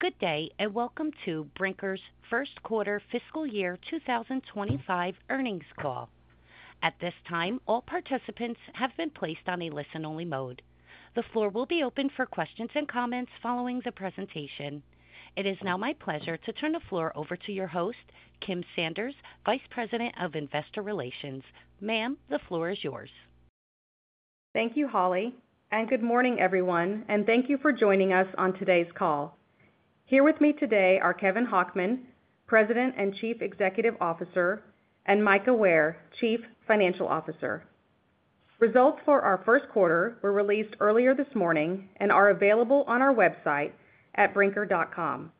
Good day and welcome to Brinker's first quarter fiscal year 2025 earnings call. At this time, all participants have been placed on a listen-only mode. The floor will be open for questions and comments following the presentation. It is now my pleasure to turn the floor over to your host, Kim Sanders, Vice President of Investor Relations. Ma'am, the floor is yours. Thank you, Holly, and good morning, everyone, and thank you for joining us on today's call. Here with me today are Kevin Hochman, President and Chief Executive Officer, and Mika Ware, Chief Financial Officer. Results for our first quarter were released earlier this morning and are available on our website at brinker.com.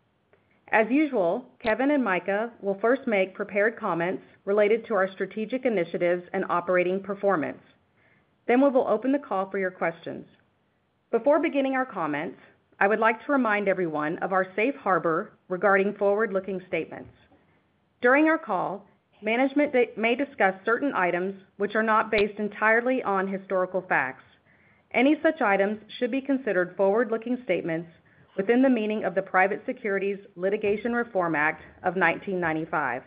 As usual, Kevin and Mika will first make prepared comments related to our strategic initiatives and operating performance. Then we will open the call for your questions. Before beginning our comments, I would like to remind everyone of our safe harbor regarding forward-looking statements. During our call, management may discuss certain items which are not based entirely on historical facts. Any such items should be considered forward-looking statements within the meaning of the Private Securities Litigation Reform Act of 1995.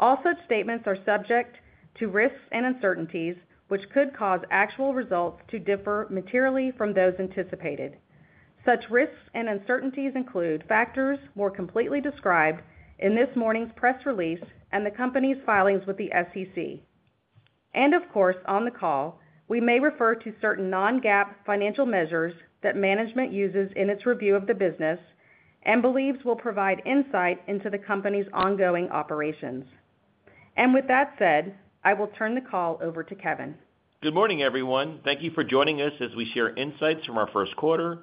All such statements are subject to risks and uncertainties which could cause actual results to differ materially from those anticipated. Such risks and uncertainties include factors more completely described in this morning's press release and the company's filings with the SEC, and of course, on the call, we may refer to certain non-GAAP financial measures that management uses in its review of the business and believes will provide insight into the company's ongoing operations, and with that said, I will turn the call over to Kevin. Good morning, everyone. Thank you for joining us as we share insights from our first quarter and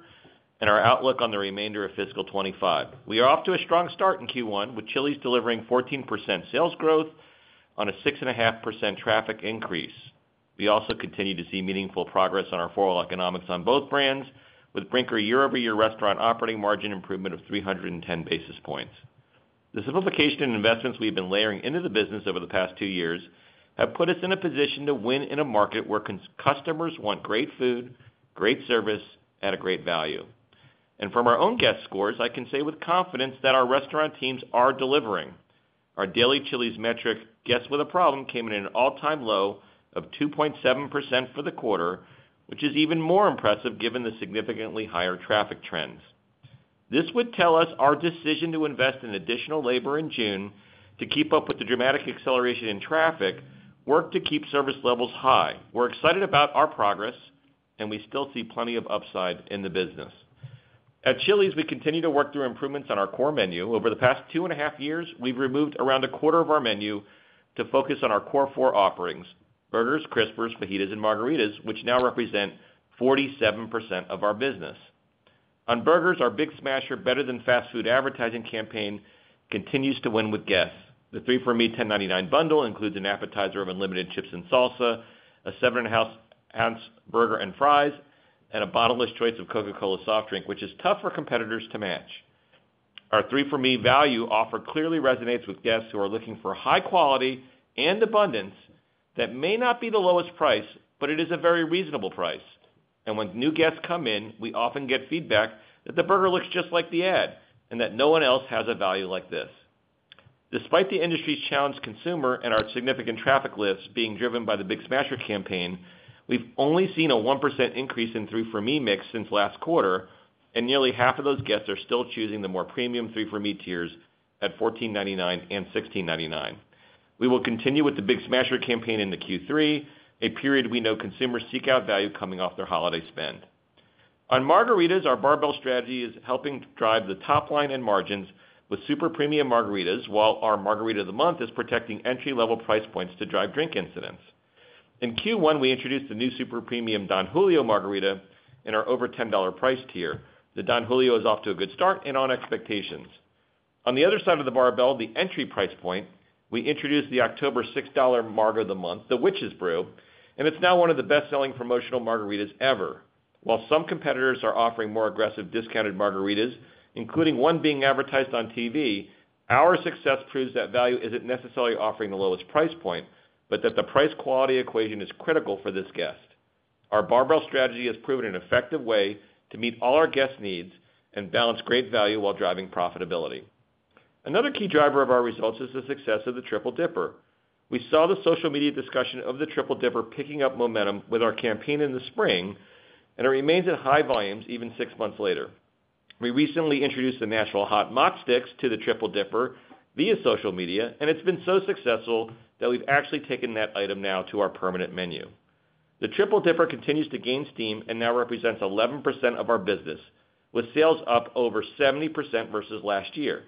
our outlook on the remainder of fiscal 2025. We are off to a strong start in Q1 with Chili's delivering 14% sales growth on a 6.5% traffic increase. We also continue to see meaningful progress on our four-wall economics on both brands, with Brinker year-over-year restaurant operating margin improvement of 310 basis points. The simplification and investments we've been layering into the business over the past two years have put us in a position to win in a market where customers want great food, great service, at a great value, and from our own guest scores, I can say with confidence that our restaurant teams are delivering. Our daily Chili's metric, Guess What the Problem?, came in at an all-time low of 2.7% for the quarter, which is even more impressive given the significantly higher traffic trends. This would tell us our decision to invest in additional labor in June to keep up with the dramatic acceleration in traffic worked to keep service levels high. We're excited about our progress, and we still see plenty of upside in the business. At Chili's, we continue to work through improvements on our core menu. Over the past two and a half years, we've removed around a quarter of our menu to focus on our Core Four offerings: burgers, Crispers, fajitas, and margaritas, which now represent 47% of our business. On burgers, our Big Smasher, Better Than Fast Food advertising campaign, continues to win with guests. The Three For Me $10.99 bundle includes an appetizer of unlimited chips and salsa, a seven-and-a-half-ounce burger and fries, and a bottomless choice of Coca-Cola soft drink, which is tough for competitors to match. Our Three For Me value offer clearly resonates with guests who are looking for high quality and abundance that may not be the lowest price, but it is a very reasonable price. And when new guests come in, we often get feedback that the burger looks just like the ad and that no one else has a value like this. Despite the industry's challenged consumer and our significant traffic lifts being driven by the Big Smasher campaign, we've only seen a 1% increase in Three For Me mix since last quarter, and nearly half of those guests are still choosing the more premium Three For Me tiers at $14.99 and $16.99. We will continue with the Big Smasher campaign in Q3, a period we know consumers seek out value coming off their holiday spend. On margaritas, our barbell strategy is helping drive the top line and margins with super premium margaritas, while our Margarita of the Month is protecting entry-level price points to drive drink incidents. In Q1, we introduced the new super premium Don Julio Margarita in our over $10 price tier. The Don Julio is off to a good start and on expectations. On the other side of the barbell, the entry price point, we introduced the October $6 Margarita of the Month, the Witches Brew, and it's now one of the best-selling promotional margaritas ever. While some competitors are offering more aggressive discounted margaritas, including one being advertised on TV, our success proves that value isn't necessarily offering the lowest price point, but that the price-quality equation is critical for this guest. Our barbell strategy has proven an effective way to meet all our guests' needs and balance great value while driving profitability. Another key driver of our results is the success of the Triple Dipper. We saw the social media discussion of the Triple Dipper picking up momentum with our campaign in the spring, and it remains at high volumes even six months later. We recently introduced the Nashville Hot Mozz sticks to the Triple Dipper via social media, and it's been so successful that we've actually taken that item now to our permanent menu. The Triple Dipper continues to gain steam and now represents 11% of our business, with sales up over 70% versus last year.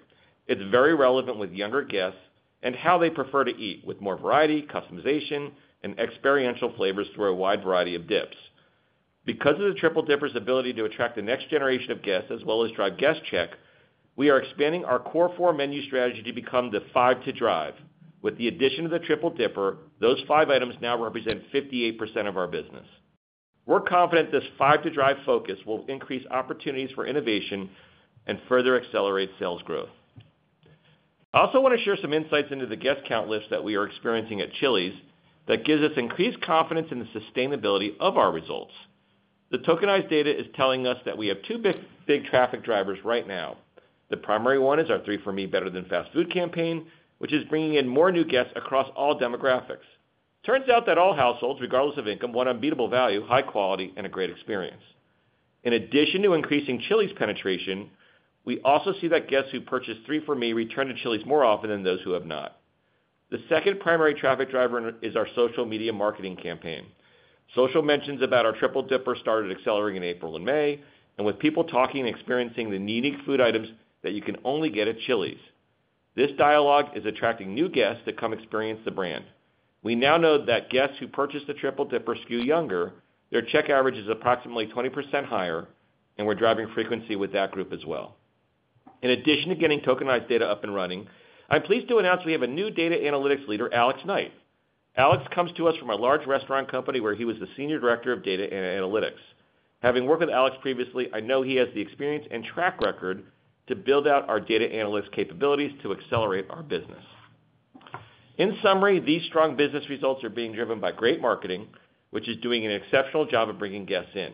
It's very relevant with younger guests and how they prefer to eat, with more variety, customization, and experiential flavors through a wide variety of dips. Because of the Triple Dipper's ability to attract the next generation of guests as well as drive guest check, we are expanding our Core Four menu strategy to become the Five to Drive. With the addition of the Triple Dipper, those five items now represent 58% of our business. We're confident this Five to Drive focus will increase opportunities for innovation and further accelerate sales growth. I also want to share some insights into the guest count lift that we are experiencing at Chili's that gives us increased confidence in the sustainability of our results. The tokenized data is telling us that we have two big traffic drivers right now. The primary one is our Three For Me Better Than Fast Food campaign, which is bringing in more new guests across all demographics. Turns out that all households, regardless of income, want unbeatable value, high quality, and a great experience. In addition to increasing Chili's penetration, we also see that guests who purchase Three For Me return to Chili's more often than those who have not. The second primary traffic driver is our social media marketing campaign. Social mentions about our Triple Dipper started accelerating in April and May, and with people talking and experiencing the unique food items that you can only get at Chili's. This dialogue is attracting new guests to come experience the brand. We now know that guests who purchase the Triple Dipper skew younger, their check average is approximately 20% higher, and we're driving frequency with that group as well. In addition to getting tokenized data up and running, I'm pleased to announce we have a new data analytics leader, Alex Knight. Alex comes to us from a large restaurant company where he was the senior director of data and analytics. Having worked with Alex previously, I know he has the experience and track record to build out our data analyst capabilities to accelerate our business. In summary, these strong business results are being driven by great marketing, which is doing an exceptional job of bringing guests in.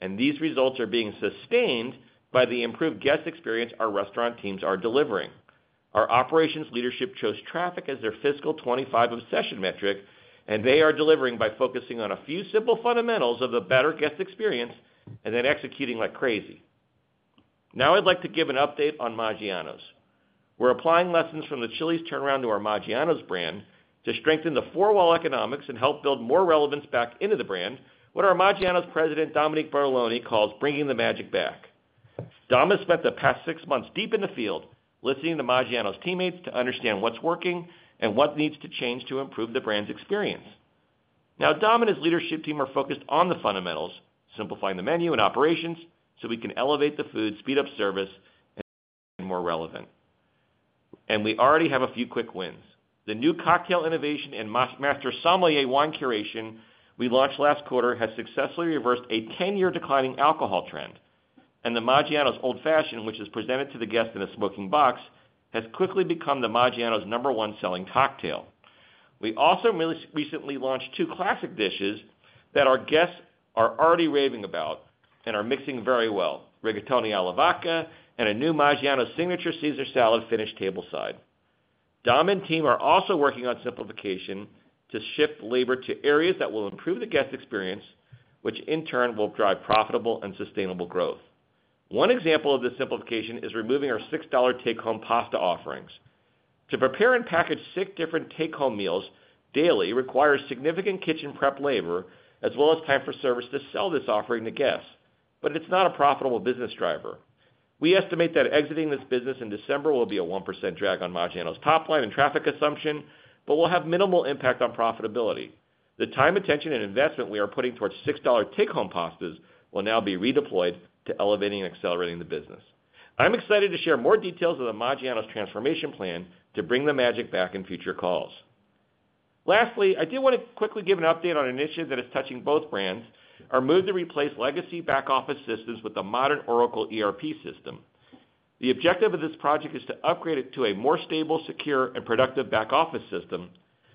And these results are being sustained by the improved guest experience our restaurant teams are delivering. Our operations leadership chose traffic as their fiscal 2025 obsession metric, and they are delivering by focusing on a few simple fundamentals of the better guest experience and then executing like crazy. Now I'd like to give an update on Maggiano's. We're applying lessons from the Chili's turnaround to our Maggiano's brand to strengthen the four-wall economics and help build more relevance back into the brand, what our Maggiano's President, Dominique Bertolone, calls bringing the magic back. Dominic spent the past six months deep in the field, listening to Maggiano's teammates to understand what's working and what needs to change to improve the brand's experience. Now Dominic's leadership team are focused on the fundamentals, simplifying the menu and operations so we can elevate the food, speed up service, and make it more relevant, and we already have a few quick wins. The new cocktail innovation and master sommelier wine curation we launched last quarter has successfully reversed a 10-year declining alcohol trend. And the Maggiano’s Old Fashioned, which is presented to the guest in a smoking box, has quickly become the Maggiano’s number one selling cocktail. We also recently launched two classic dishes that our guests are already raving about and are mixing very well: rigatoni alla vodka and a new Maggiano’s signature Caesar salad finished tableside. Dominic's team are also working on simplification to shift labor to areas that will improve the guest experience, which in turn will drive profitable and sustainable growth. One example of this simplification is removing our $6 take-home pasta offerings. To prepare and package six different take-home meals daily requires significant kitchen prep labor as well as time for service to sell this offering to guests, but it's not a profitable business driver. We estimate that exiting this business in December will be a 1% drag on Maggiano's top line and traffic assumption, but will have minimal impact on profitability. The time, attention, and investment we are putting towards $6 take-home pastas will now be redeployed to elevating and accelerating the business. I'm excited to share more details of the Maggiano's transformation plan to bring the magic back in future calls. Lastly, I do want to quickly give an update on an issue that is touching both brands, our move to replace legacy back-office systems with a modern Oracle ERP system. The objective of this project is to upgrade it to a more stable, secure, and productive back-office system,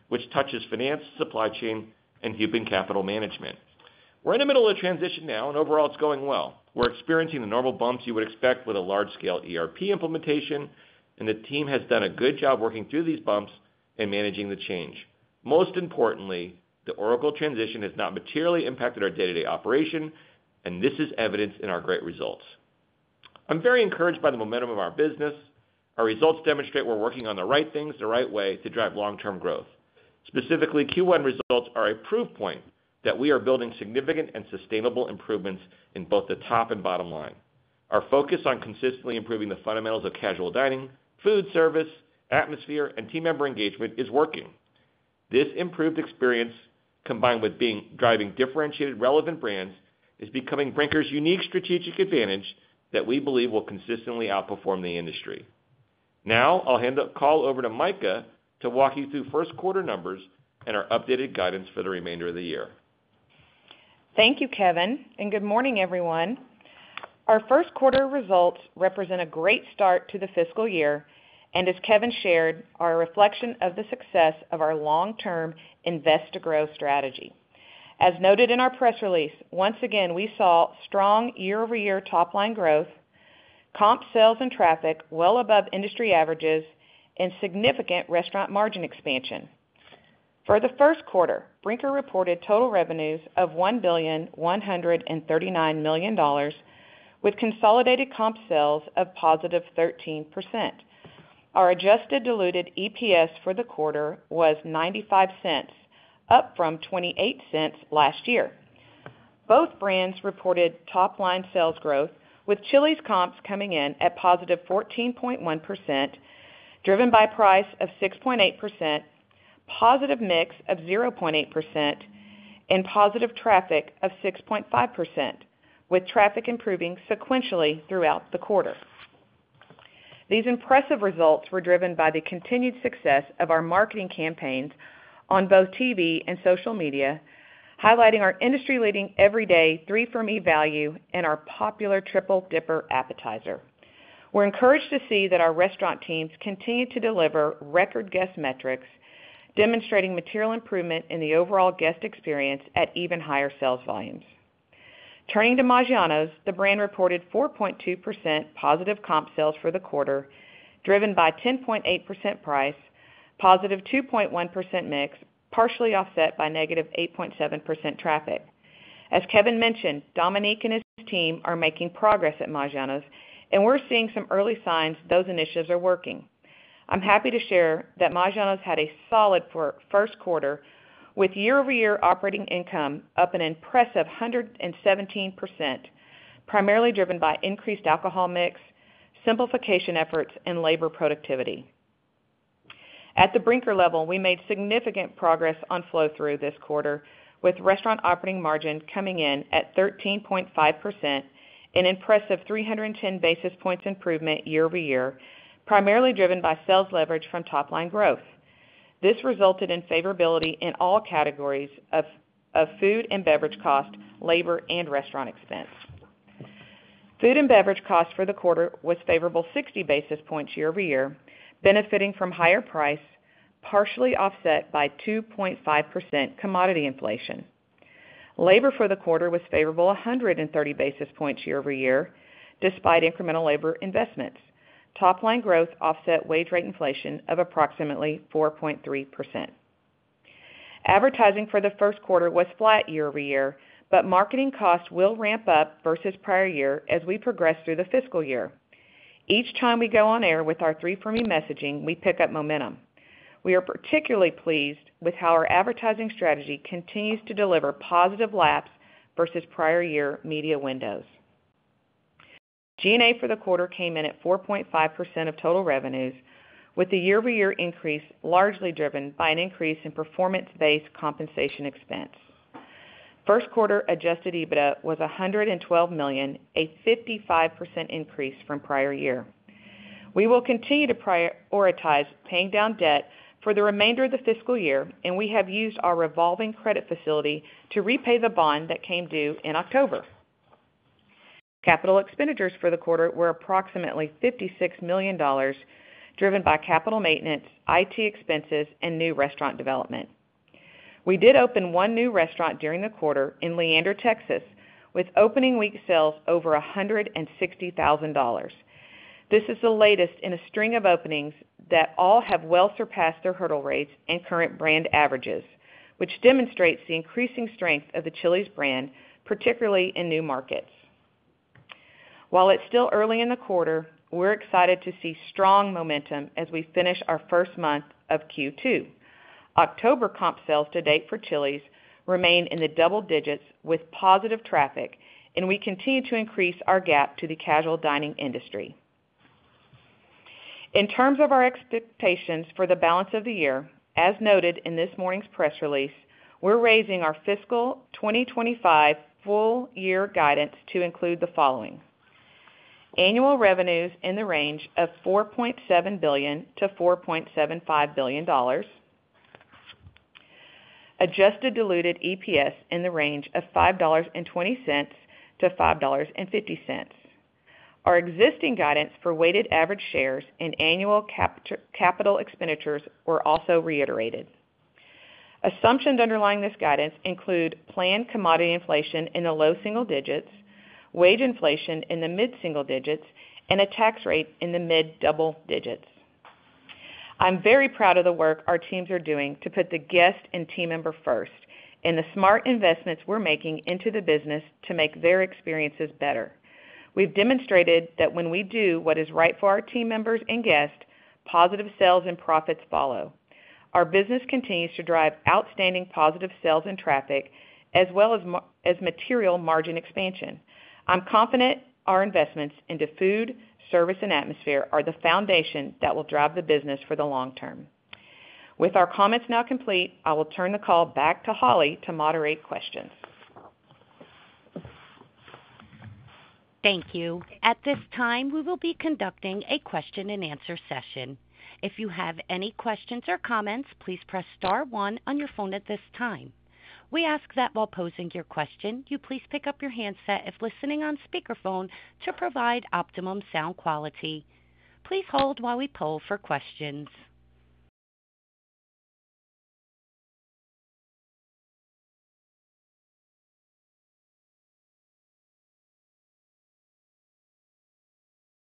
which touches finance, supply chain, and human capital management. We're in the middle of a transition now, and overall it's going well. We're experiencing the normal bumps you would expect with a large-scale ERP implementation, and the team has done a good job working through these bumps and managing the change. Most importantly, the Oracle transition has not materially impacted our day-to-day operation, and this is evidenced in our great results. I'm very encouraged by the momentum of our business. Our results demonstrate we're working on the right things the right way to drive long-term growth. Specifically, Q1 results are a proof point that we are building significant and sustainable improvements in both the top and bottom line. Our focus on consistently improving the fundamentals of casual dining, food service, atmosphere, and team member engagement is working. This improved experience, combined with driving differentiated, relevant brands, is becoming Brinker's unique strategic advantage that we believe will consistently outperform the industry. Now I'll hand the call over to Mika to walk you through first quarter numbers and our updated guidance for the remainder of the year. Thank you, Kevin, and good morning, everyone. Our first quarter results represent a great start to the fiscal year, and as Kevin shared, are a reflection of the success of our long-term invest-to-grow strategy. As noted in our press release, once again, we saw strong year-over-year top line growth, comp sales and traffic well above industry averages, and significant restaurant margin expansion. For the first quarter, Brinker reported total revenues of $1,139 million, with consolidated comp sales of positive 13%. Our adjusted diluted EPS for the quarter was $0.95, up from $0.28 last year. Both brands reported top line sales growth, with Chili's comps coming in at positive 14.1%, driven by price of 6.8%, positive mix of 0.8%, and positive traffic of 6.5%, with traffic improving sequentially throughout the quarter. These impressive results were driven by the continued success of our marketing campaigns on both TV and social media, highlighting our industry-leading everyday Three For Me value and our popular Triple Dipper appetizer. We're encouraged to see that our restaurant teams continue to deliver record guest metrics, demonstrating material improvement in the overall guest experience at even higher sales volumes. Turning to Maggiano's, the brand reported 4.2% positive comp sales for the quarter, driven by 10.8% price, positive 2.1% mix, partially offset by negative 8.7% traffic. As Kevin mentioned, Dominic and his team are making progress at Maggiano's, and we're seeing some early signs those initiatives are working. I'm happy to share that Maggiano's had a solid first quarter, with year-over-year operating income up an impressive 117%, primarily driven by increased alcohol mix, simplification efforts, and labor productivity. At the Brinker level, we made significant progress on flow-through this quarter, with restaurant operating margin coming in at 13.5%, an impressive 310 basis points improvement year-over-year, primarily driven by sales leverage from top line growth. This resulted in favorability in all categories of food and beverage cost, labor, and restaurant expense. Food and beverage cost for the quarter was favorable 60 basis points year-over-year, benefiting from higher price, partially offset by 2.5% commodity inflation. Labor for the quarter was favorable 130 basis points year-over-year, despite incremental labor investments. Top line growth offset wage rate inflation of approximately 4.3%. Advertising for the first quarter was flat year-over-year, but marketing costs will ramp up versus prior year as we progress through the fiscal year. Each time we go on air with our Three For Me messaging, we pick up momentum. We are particularly pleased with how our advertising strategy continues to deliver positive laps versus prior year media windows. G&A for the quarter came in at 4.5% of total revenues, with the year-over-year increase largely driven by an increase in performance-based compensation expense. First quarter Adjusted EBITDA was $112 million, a 55% increase from prior year. We will continue to prioritize paying down debt for the remainder of the fiscal year, and we have used our revolving credit facility to repay the bond that came due in October. Capital expenditures for the quarter were approximately $56 million, driven by capital maintenance, IT expenses, and new restaurant development. We did open one new restaurant during the quarter in Leander, Texas, with opening week sales over $160,000. This is the latest in a string of openings that all have well surpassed their hurdle rates and current brand averages, which demonstrates the increasing strength of the Chili's brand, particularly in new markets. While it's still early in the quarter, we're excited to see strong momentum as we finish our first month of Q2. October comp sales to date for Chili's remain in the double digits with positive traffic, and we continue to increase our gap to the casual dining industry. In terms of our expectations for the balance of the year, as noted in this morning's press release, we're raising our fiscal 2025 full year guidance to include the following: annual revenues in the range of $4.7 billion-$4.75 billion, adjusted diluted EPS in the range of $5.20-$5.50. Our existing guidance for weighted average shares and annual capital expenditures were also reiterated. Assumptions underlying this guidance include planned commodity inflation in the low single digits, wage inflation in the mid-single digits, and a tax rate in the mid-double digits. I'm very proud of the work our teams are doing to put the guest and team member first and the smart investments we're making into the business to make their experiences better. We've demonstrated that when we do what is right for our team members and guests, positive sales and profits follow. Our business continues to drive outstanding positive sales and traffic, as well as material margin expansion. I'm confident our investments into food, service, and atmosphere are the foundation that will drive the business for the long term. With our comments now complete, I will turn the call back to Holly to moderate questions. Thank you. At this time, we will be conducting a question-and-answer session. If you have any questions or comments, please press star one on your phone at this time. We ask that while posing your question, you please pick up your handset if listening on speakerphone to provide optimum sound quality. Please hold while we poll for questions.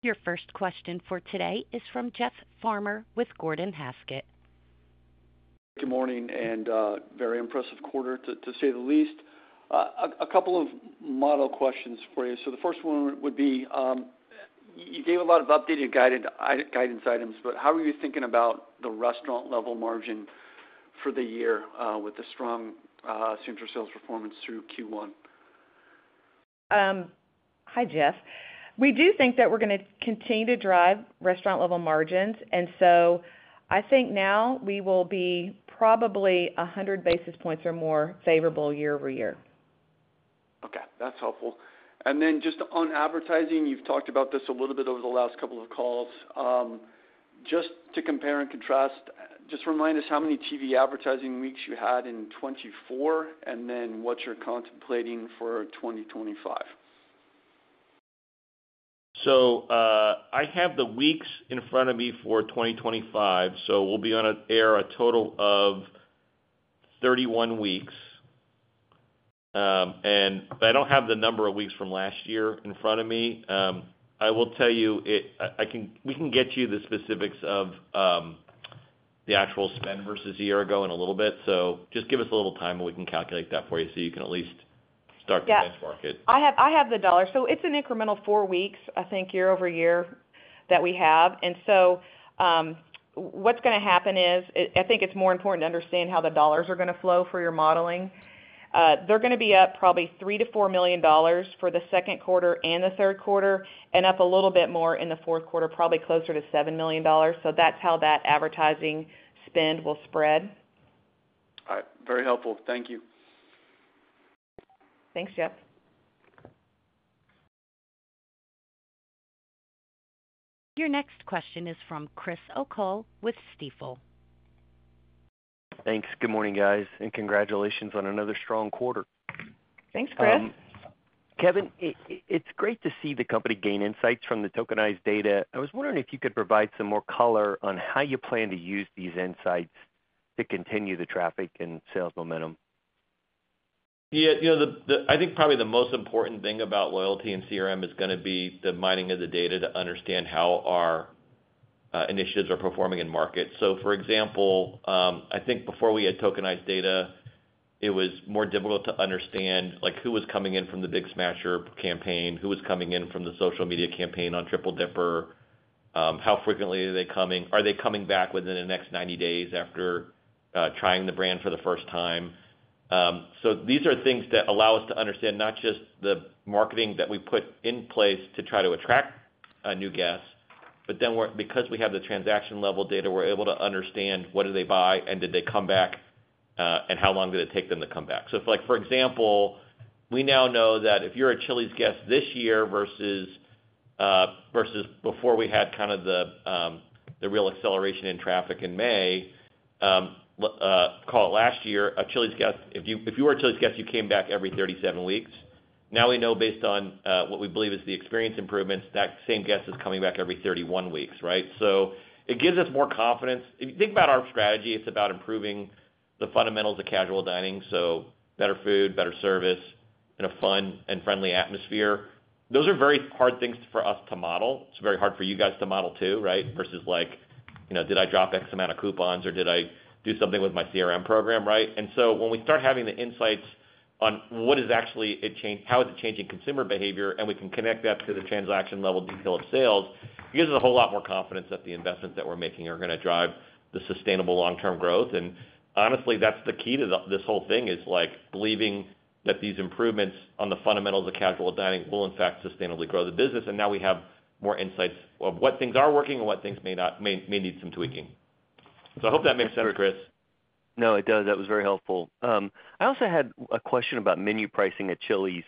Your first question for today is from Jeff Farmer with Gordon Haskett. Good morning and very impressive quarter, to say the least. A couple of model questions for you. So the first one would be, you gave a lot of updated guidance items, but how are you thinking about the restaurant-level margin for the year with the strong comparable sales performance through Q1? Hi, Jeff. We do think that we're going to continue to drive restaurant-level margins, and so I think now we will be probably 100 basis points or more favorable year-over-year. Okay. That's helpful. And then just on advertising, you've talked about this a little bit over the last couple of calls. Just to compare and contrast, just remind us how many TV advertising weeks you had in 2024 and then what you're contemplating for 2025. So I have the weeks in front of me for 2025, so we'll be on air a total of 31 weeks. But I don't have the number of weeks from last year in front of me. I will tell you, we can get you the specifics of the actual spend versus year ago in a little bit. So just give us a little time and we can calculate that for you so you can at least start to benchmark it. Yeah. I have the dollar. So it's an incremental four weeks, I think, year-over-year that we have. And so what's going to happen is I think it's more important to understand how the dollars are going to flow for your modeling. They're going to be up probably $3-$4 million for the second quarter and the third quarter, and up a little bit more in the fourth quarter, probably closer to $7 million. So that's how that advertising spend will spread. All right. Very helpful. Thank you. Thanks, Jeff. Your next question is from Chris O'Cull with Stifel. Thanks. Good morning, guys, and congratulations on another strong quarter. Thanks, Chris. Kevin, it's great to see the company gain insights from the tokenized data. I was wondering if you could provide some more color on how you plan to use these insights to continue the traffic and sales momentum? Yeah. I think probably the most important thing about loyalty and CRM is going to be the mining of the data to understand how our initiatives are performing in markets. So for example, I think before we had tokenized data, it was more difficult to understand who was coming in from the Big Smasher campaign, who was coming in from the social media campaign on Triple Dipper, how frequently are they coming, are they coming back within the next 90 days after trying the brand for the first time. So these are things that allow us to understand not just the marketing that we put in place to try to attract new guests, but then because we have the transaction-level data, we're able to understand what do they buy, and did they come back, and how long did it take them to come back. So for example, we now know that if you're a Chili's guest this year versus before we had kind of the real acceleration in traffic in May, call it last year, a Chili's guest, if you were a Chili's guest, you came back every 37 weeks. Now we know based on what we believe is the experience improvements, that same guest is coming back every 31 weeks, right? So it gives us more confidence. If you think about our strategy, it's about improving the fundamentals of casual dining, so better food, better service, and a fun and friendly atmosphere. Those are very hard things for us to model. It's very hard for you guys to model too, right, versus like, "Did I drop X amount of coupons, or did I do something with my CRM program?" Right? And so when we start having the insights on what is actually it changed, how is it changing consumer behavior, and we can connect that to the transaction-level detail of sales, it gives us a whole lot more confidence that the investments that we're making are going to drive the sustainable long-term growth. And honestly, that's the key to this whole thing is believing that these improvements on the fundamentals of casual dining will, in fact, sustainably grow the business. And now we have more insights of what things are working and what things may need some tweaking. So I hope that makes sense, Chris. No, it does. That was very helpful. I also had a question about menu pricing at Chili's.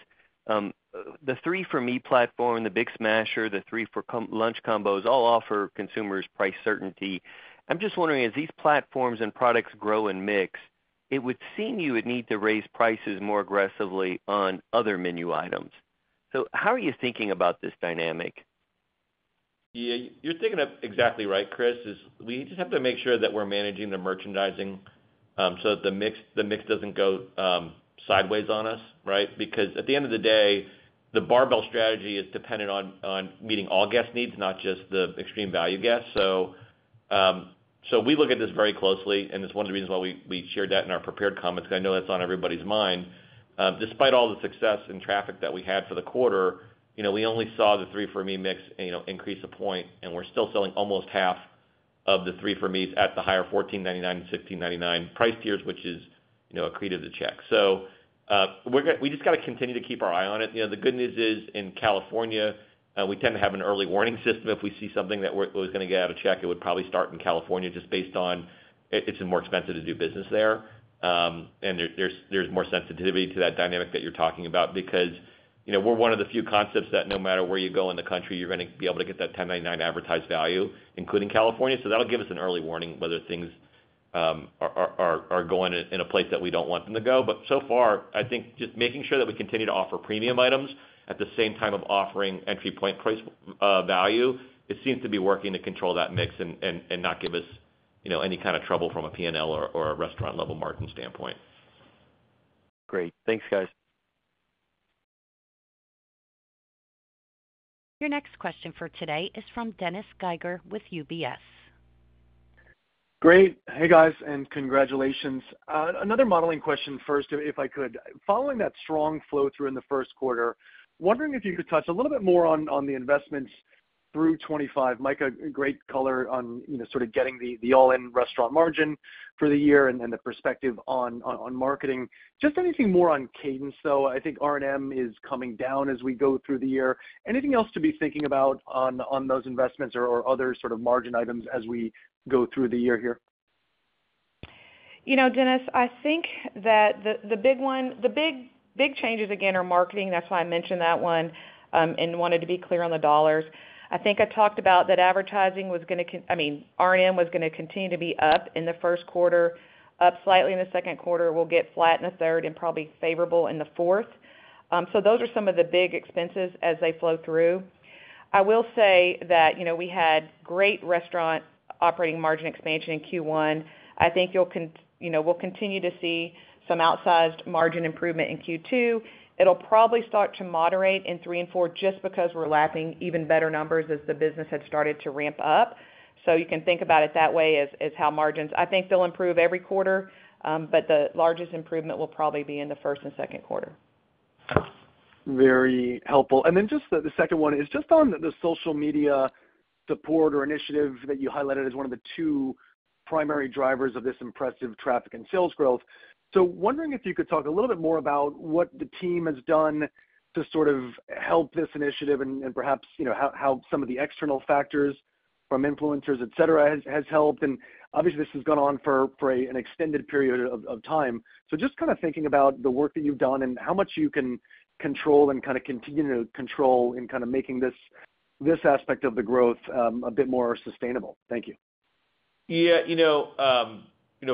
The Three For Me platform, the Big Smasher, the Three For Lunch combos, all offer consumers price certainty. I'm just wondering, as these platforms and products grow and mix, it would seem you would need to raise prices more aggressively on other menu items. So how are you thinking about this dynamic? Yeah. You're thinking exactly right, Chris. We just have to make sure that we're managing the merchandising so that the mix doesn't go sideways on us, right? Because at the end of the day, the barbell strategy is dependent on meeting all guest needs, not just the extreme value guests. So we look at this very closely, and it's one of the reasons why we shared that in our prepared comments, because I know that's on everybody's mind. Despite all the success and traffic that we had for the quarter, we only saw the Three For Me mix increase a point, and we're still selling almost half of the Three For Me's at the higher $14.99 and $16.99 price tiers, which is a credit to the check. So we just got to continue to keep our eye on it. The good news is, in California, we tend to have an early warning system. If we see something that was going to get out of check, it would probably start in California just based on its more expensive to do business there, and there's more sensitivity to that dynamic that you're talking about because we're one of the few concepts that no matter where you go in the country, you're going to be able to get that $10.99 advertised value, including California, so that'll give us an early warning whether things are going in a place that we don't want them to go. But so far, I think just making sure that we continue to offer premium items at the same time of offering entry point price value, it seems to be working to control that mix and not give us any kind of trouble from a P&L or a restaurant-level margin standpoint. Great. Thanks, guys. Your next question for today is from Dennis Geiger with UBS. Great. Hey, guys, and congratulations. Another modeling question first, if I could. Following that strong flow through in the first quarter, wondering if you could touch a little bit more on the investments through 2025. Mika, great color on sort of getting the all-in restaurant margin for the year and the perspective on marketing. Just anything more on cadence, though? I think R&M is coming down as we go through the year. Anything else to be thinking about on those investments or other sort of margin items as we go through the year here? Dennis, I think that the big changes, again, are marketing. That's why I mentioned that one and wanted to be clear on the dollars. I think I talked about that advertising was going to, I mean, R&M was going to continue to be up in the first quarter, up slightly in the second quarter, will get flat in the third, and probably favorable in the fourth. So those are some of the big expenses as they flow through. I will say that we had great restaurant operating margin expansion in Q1. I think we'll continue to see some outsized margin improvement in Q2. It'll probably start to moderate in three and four just because we're lapping even better numbers as the business had started to ramp up. So you can think about it that way as how margins, I think, they'll improve every quarter, but the largest improvement will probably be in the first and second quarter. Very helpful. And then just the second one is just on the social media support or initiative that you highlighted as one of the two primary drivers of this impressive traffic and sales growth. So wondering if you could talk a little bit more about what the team has done to sort of help this initiative and perhaps how some of the external factors from influencers, etc., has helped. And obviously, this has gone on for an extended period of time. So just kind of thinking about the work that you've done and how much you can control and kind of continue to control in kind of making this aspect of the growth a bit more sustainable. Thank you. Yeah.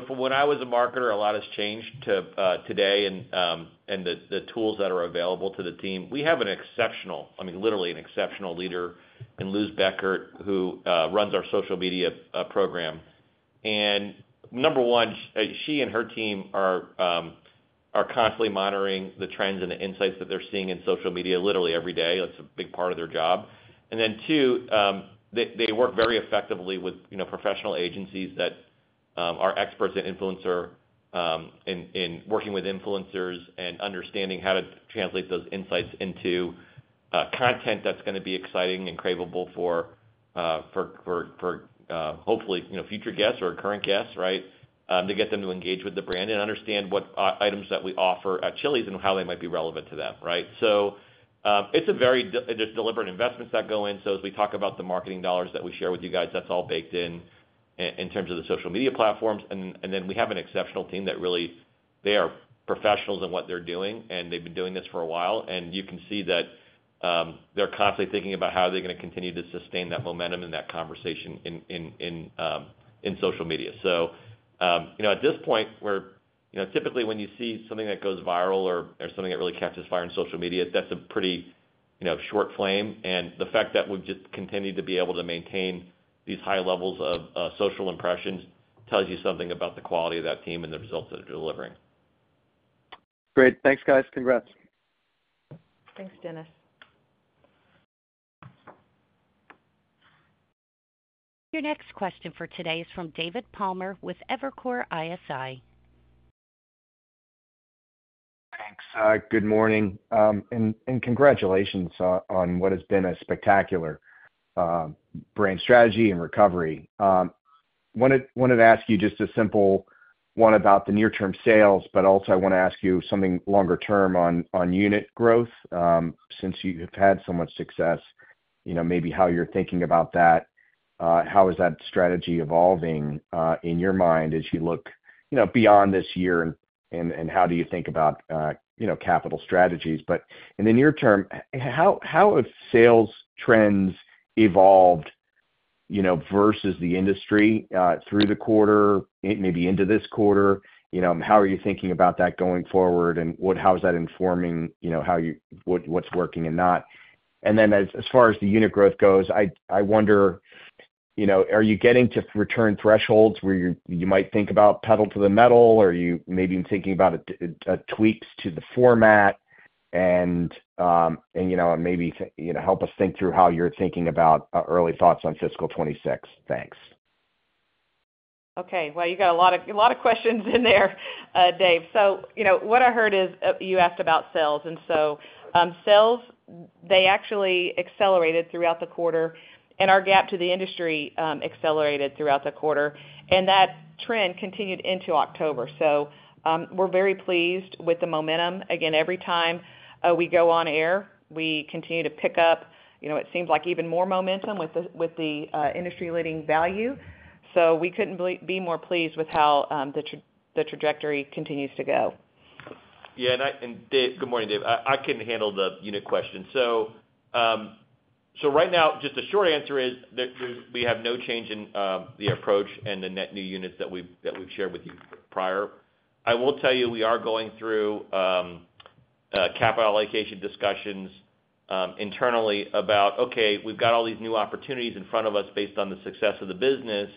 From when I was a marketer, a lot has changed to today and the tools that are available to the team. We have an exceptional, I mean, literally an exceptional leader in Luz Becker, who runs our social media program. And number one, she and her team are constantly monitoring the trends and the insights that they're seeing in social media literally every day. It's a big part of their job. And then two, they work very effectively with professional agencies that are experts and influencers in working with influencers and understanding how to translate those insights into content that's going to be exciting and craveable for hopefully future guests or current guests, right, to get them to engage with the brand and understand what items that we offer at Chili's and how they might be relevant to them, right? So it's a very, there's deliberate investments that go in. So as we talk about the marketing dollars that we share with you guys, that's all baked in in terms of the social media platforms. And then we have an exceptional team that really, they are professionals in what they're doing, and they've been doing this for a while. And you can see that they're constantly thinking about how they're going to continue to sustain that momentum and that conversation in social media. So at this point, where typically when you see something that goes viral or something that really catches fire on social media, that's a pretty short flame. And the fact that we've just continued to be able to maintain these high levels of social impressions tells you something about the quality of that team and the results that they're delivering. Great. Thanks, guys. Congrats. Thanks, Dennis. Your next question for today is from David Palmer with Evercore ISI. Thanks. Good morning. And congratulations on what has been a spectacular brand strategy and recovery. I wanted to ask you just a simple one about the near-term sales, but also I want to ask you something longer term on unit growth since you have had so much success. Maybe how you're thinking about that, how is that strategy evolving in your mind as you look beyond this year, and how do you think about capital strategies? But in the near term, how have sales trends evolved versus the industry through the quarter, maybe into this quarter? How are you thinking about that going forward, and how is that informing what's working and not? And then as far as the unit growth goes, I wonder, are you getting to return thresholds where you might think about pedal to the metal, or are you maybe thinking about tweaks to the format? Maybe help us think through how you're thinking about early thoughts on fiscal 2026? Thanks. Okay. Well, you got a lot of questions in there, Dave. So what I heard is you asked about sales. And so sales, they actually accelerated throughout the quarter, and our gap to the industry accelerated throughout the quarter. And that trend continued into October. So we're very pleased with the momentum. Again, every time we go on air, we continue to pick up. It seems like even more momentum with the industry-leading value. So we couldn't be more pleased with how the trajectory continues to go. Yeah. And Dave, good morning, Dave. I couldn't handle the unit question. So right now, just a short answer is we have no change in the approach and the net new units that we've shared with you prior. I will tell you we are going through capital allocation discussions internally about, "Okay, we've got all these new opportunities in front of us based on the success of the business.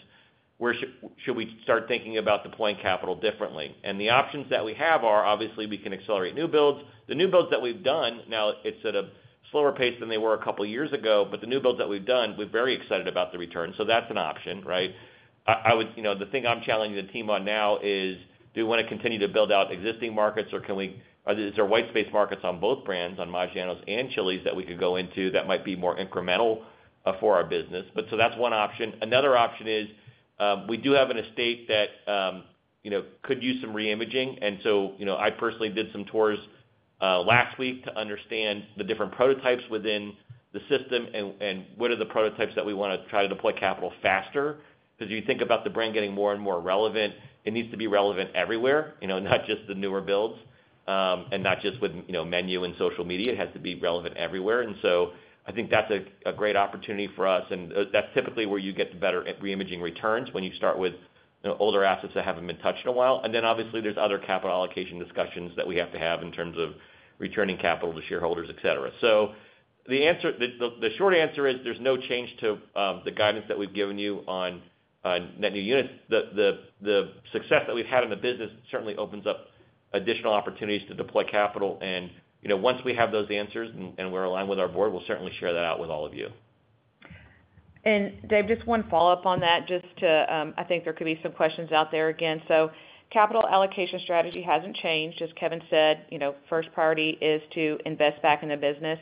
Should we start thinking about deploying capital differently?" And the options that we have are, obviously, we can accelerate new builds. The new builds that we've done now, it's at a slower pace than they were a couple of years ago, but the new builds that we've done, we're very excited about the return. So that's an option, right? The thing I'm challenging the team on now is, do we want to continue to build out existing markets, or is there white space markets on both brands, on Maggiano’s and Chili’s that we could go into that might be more incremental for our business, but so that's one option. Another option is we do have an estate that could use some reimaging. And so I personally did some tours last week to understand the different prototypes within the system and what are the prototypes that we want to try to deploy capital faster. Because you think about the brand getting more and more relevant, it needs to be relevant everywhere, not just the newer builds and not just with menu and social media. It has to be relevant everywhere, and so I think that's a great opportunity for us. That's typically where you get the better reimaging returns when you start with older assets that haven't been touched in a while. Then obviously, there's other capital allocation discussions that we have to have in terms of returning capital to shareholders, etc. The short answer is there's no change to the guidance that we've given you on net new units. The success that we've had in the business certainly opens up additional opportunities to deploy capital. Once we have those answers and we're aligned with our board, we'll certainly share that out with all of you. And Dave, just one follow-up on that, just to, I think there could be some questions out there again. So capital allocation strategy hasn't changed. As Kevin said, first priority is to invest back in the business.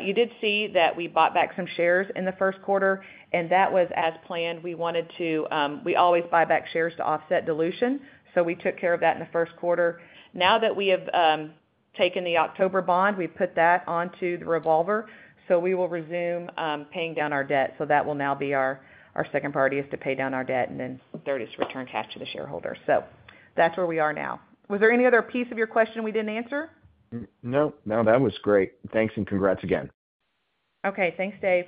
You did see that we bought back some shares in the first quarter, and that was as planned. We wanted to, we always buy back shares to offset dilution. So we took care of that in the first quarter. Now that we have taken the October bond, we've put that onto the revolver. So we will resume paying down our debt. So that will now be our second priority is to pay down our debt and then third is to return cash to the shareholders. So that's where we are now. Was there any other piece of your question we didn't answer? No. No, that was great. Thanks and congrats again. Okay. Thanks, Dave.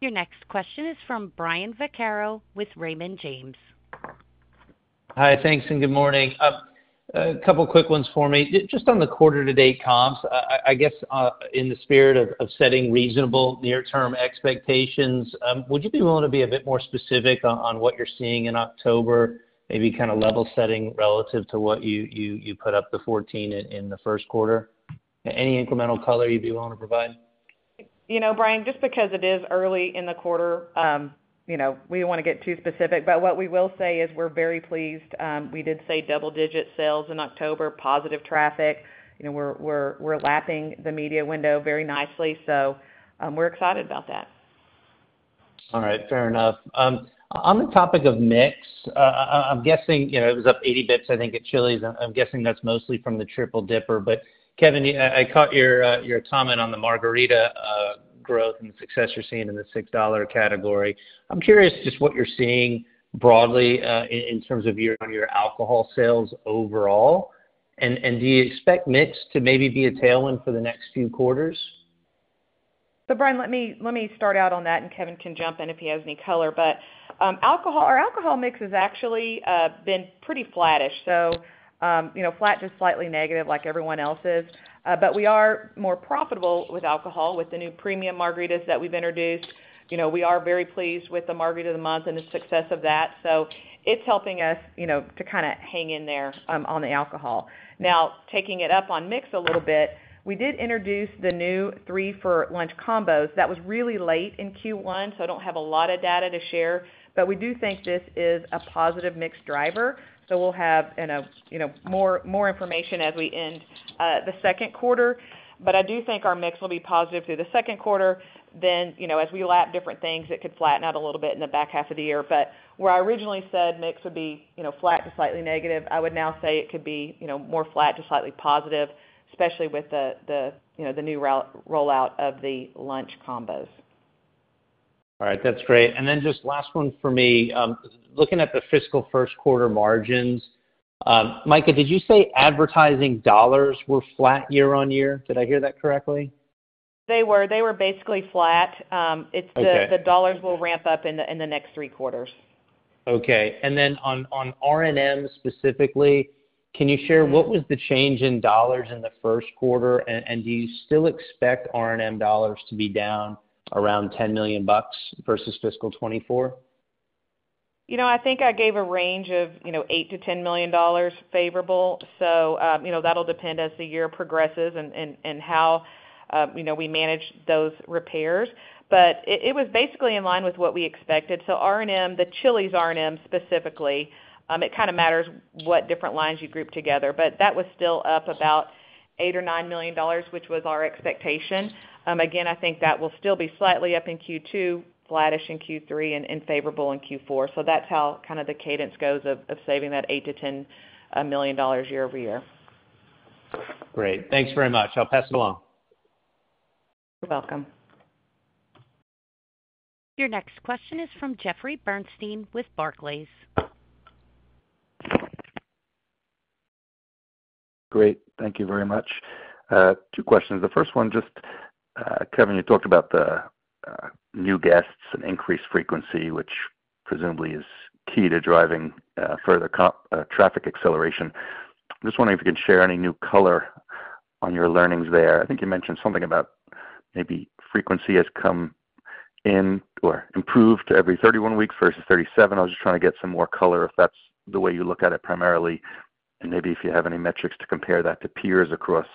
Your next question is from Brian Vaccaro with Raymond James. Hi. Thanks and good morning. A couple of quick ones for me. Just on the quarter-to-date comps, I guess in the spirit of setting reasonable near-term expectations, would you be willing to be a bit more specific on what you're seeing in October, maybe kind of level setting relative to what you put up the 14% in the first quarter? Any incremental color you'd be willing to provide? Brian, just because it is early in the quarter, we don't want to get too specific. But what we will say is we're very pleased. We did say double-digit sales in October, positive traffic. We're lapping the media window very nicely. So we're excited about that. All right. Fair enough. On the topic of mix, I'm guessing it was up 80 basis points, I think, at Chili's. I'm guessing that's mostly from the Triple Dipper. But Kevin, I caught your comment on the Margarita growth and the success you're seeing in the $6 category. I'm curious just what you're seeing broadly in terms of your alcohol sales overall. And do you expect mix to maybe be a tailwind for the next few quarters? But Brian, let me start out on that, and Kevin can jump in if he has any color. But our alcohol mix has actually been pretty flattish. So flat to slightly negative like everyone else is. But we are more profitable with alcohol with the new premium Margaritas that we've introduced. We are very pleased with the Margarita of the Month and the success of that. So it's helping us to kind of hang in there on the alcohol. Now, taking it up on mix a little bit, we did introduce the new Three For Lunch combos. That was really late in Q1, so I don't have a lot of data to share. But we do think this is a positive mix driver. So we'll have more information as we end the second quarter. But I do think our mix will be positive through the second quarter. Then as we lap different things, it could flatten out a little bit in the back half of the year. But where I originally said mix would be flat to slightly negative, I would now say it could be more flat to slightly positive, especially with the new rollout of the lunch combos. All right. That's great. And then just last one for me. Looking at the fiscal first quarter margins, Mika, did you say advertising dollars were flat year on year? Did I hear that correctly? They were. They were basically flat. The dollars will ramp up in the next three quarters. Okay. And then on R&M specifically, can you share what was the change in dollars in the first quarter? And do you still expect R&M dollars to be down around $10 million versus fiscal 2024? I think I gave a range of $8-$10 million favorable. So that'll depend as the year progresses and how we manage those repairs. But it was basically in line with what we expected. So R&M, the Chili's R&M specifically, it kind of matters what different lines you group together. But that was still up about $8-$9 million, which was our expectation. Again, I think that will still be slightly up in Q2, flattish in Q3, and favorable in Q4. So that's how kind of the cadence goes of saving that $8-$10 million year-over-year. Great. Thanks very much. I'll pass it along. You're welcome. Your next question is from Jeffrey Bernstein with Barclays. Great. Thank you very much. Two questions. The first one, just Kevin, you talked about the new guests and increased frequency, which presumably is key to driving further traffic acceleration. I'm just wondering if you can share any new color on your learnings there. I think you mentioned something about maybe frequency has come in or improved to every 31 weeks versus 37. I was just trying to get some more color if that's the way you look at it primarily, and maybe if you have any metrics to compare that to peers across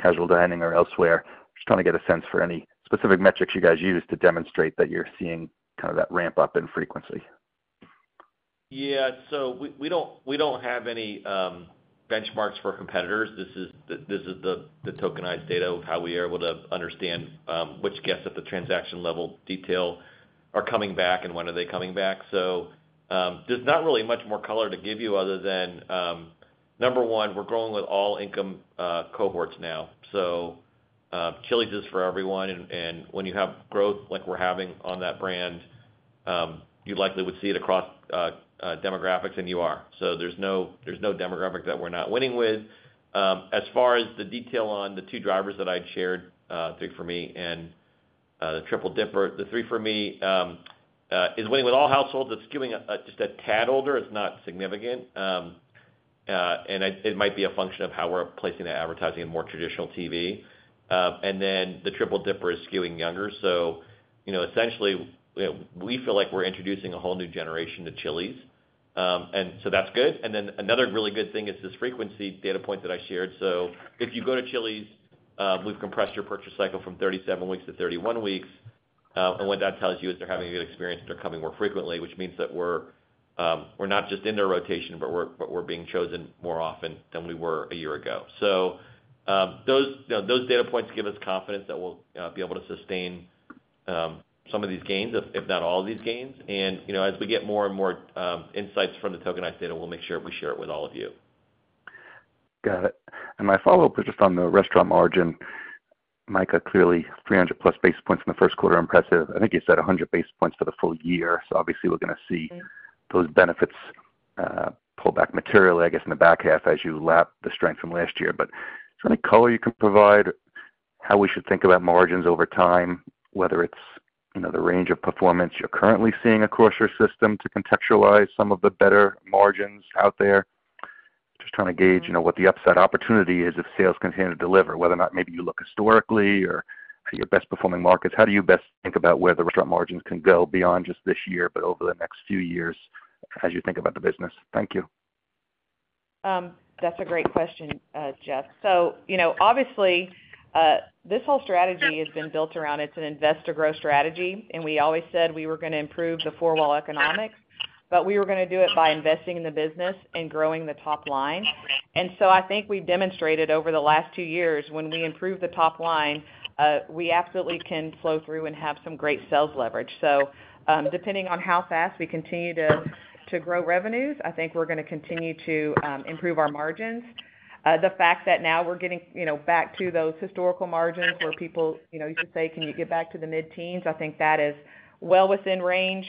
casual dining or elsewhere. Just trying to get a sense for any specific metrics you guys use to demonstrate that you're seeing kind of that ramp up in frequency. Yeah. So we don't have any benchmarks for competitors. This is the tokenized data of how we are able to understand which guests at the transaction level detail are coming back and when are they coming back. So there's not really much more color to give you other than number one, we're growing with all income cohorts now. So Chili's is for everyone. And when you have growth like we're having on that brand, you likely would see it across demographics, and you are. So there's no demographic that we're not winning with. As far as the detail on the two drivers that I'd shared, Three For Me and the Triple Dipper, the Three For Me is winning with all households. It's skewing just a tad older. It's not significant. And it might be a function of how we're placing the advertising in more traditional TV. The Triple Dipper is skewing younger. Essentially, we feel like we're introducing a whole new generation to Chili's. That's good. Another really good thing is this frequency data point that I shared. If you go to Chili's, we've compressed your purchase cycle from 37 weeks-31 weeks. What that tells you is they're having a good experience and they're coming more frequently, which means that we're not just in their rotation, but we're being chosen more often than we were a year ago. Those data points give us confidence that we'll be able to sustain some of these gains, if not all of these gains. As we get more and more insights from the tokenized data, we'll make sure we share it with all of you. Got it. And my follow-up was just on the restaurant margin. Mika, clearly, 300+ basis points in the first quarter, impressive. I think you said 100 basis points for the full year. So obviously, we're going to see those benefits pull back materially, I guess, in the back half as you lap the strength from last year. But is there any color you can provide how we should think about margins over time, whether it's the range of performance you're currently seeing across your system to contextualize some of the better margins out there? Just trying to gauge what the upside opportunity is if sales continue to deliver, whether or not maybe you look historically or your best-performing markets. How do you best think about where the restaurant margins can go beyond just this year, but over the next few years as you think about the business? Thank you. That's a great question, Jeff. So obviously, this whole strategy has been built around, it's an investor growth strategy, and we always said we were going to improve the four-wall economics, but we were going to do it by investing in the business and growing the top line, and so I think we've demonstrated over the last two years when we improve the top line, we absolutely can flow through and have some great sales leverage, so depending on how fast we continue to grow revenues, I think we're going to continue to improve our margins. The fact that now we're getting back to those historical margins where people used to say, "Can you get back to the mid-teens?" I think that is well within range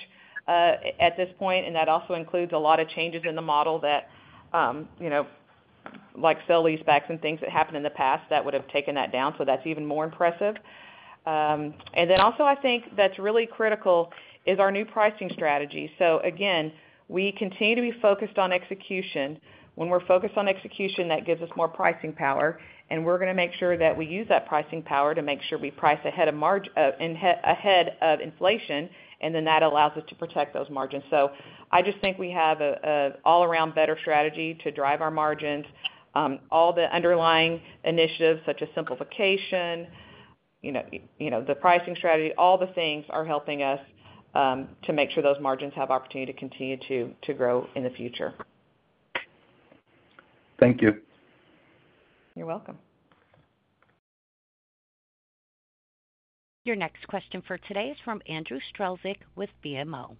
at this point. That also includes a lot of changes in the model that, like, sale-leasebacks and things that happened in the past that would have taken that down. So that's even more impressive. And then also I think that's really critical is our new pricing strategy. So again, we continue to be focused on execution. When we're focused on execution, that gives us more pricing power. And we're going to make sure that we use that pricing power to make sure we price ahead of inflation. And then that allows us to protect those margins. So I just think we have an all-around better strategy to drive our margins. All the underlying initiatives such as simplification, the pricing strategy, all the things are helping us to make sure those margins have opportunity to continue to grow in the future. Thank you. You're welcome. Your next question for today is from Andrew Strelzik with BMO.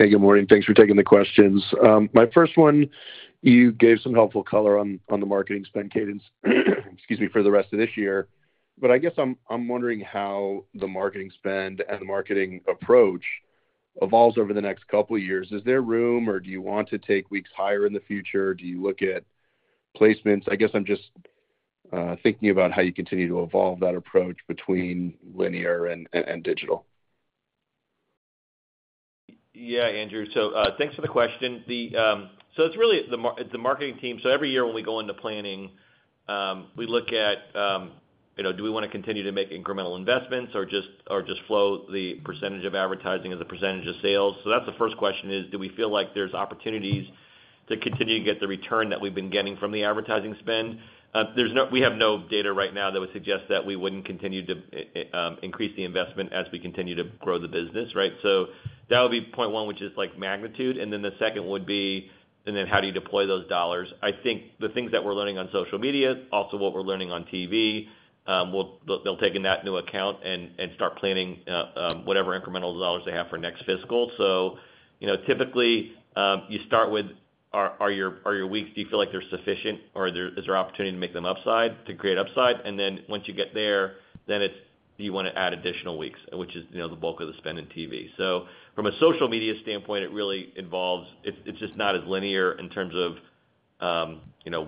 Hey, good morning. Thanks for taking the questions. My first one, you gave some helpful color on the marketing spend cadence, excuse me, for the rest of this year. But I guess I'm wondering how the marketing spend and the marketing approach evolves over the next couple of years. Is there room, or do you want to take risks higher in the future? Do you look at placements? I guess I'm just thinking about how you continue to evolve that approach between linear and digital. Yeah, Andrew. So thanks for the question. So it's really the marketing team. So every year when we go into planning, we look at do we want to continue to make incremental investments or just flow the percentage of advertising as a percentage of sales? So that's the first question is, do we feel like there's opportunities to continue to get the return that we've been getting from the advertising spend? We have no data right now that would suggest that we wouldn't continue to increase the investment as we continue to grow the business, right? So that would be point one, which is like magnitude. And then the second would be, and then how do you deploy those dollars? I think the things that we're learning on social media, also what we're learning on TV, they'll take in that new account and start planning whatever incremental dollars they have for next fiscal. So typically, you start with, are your weeks, do you feel like they're sufficient, or is there opportunity to make them upside, to create upside? And then once you get there, then you want to add additional weeks, which is the bulk of the spend in TV. So from a social media standpoint, it really involves, it's just not as linear in terms of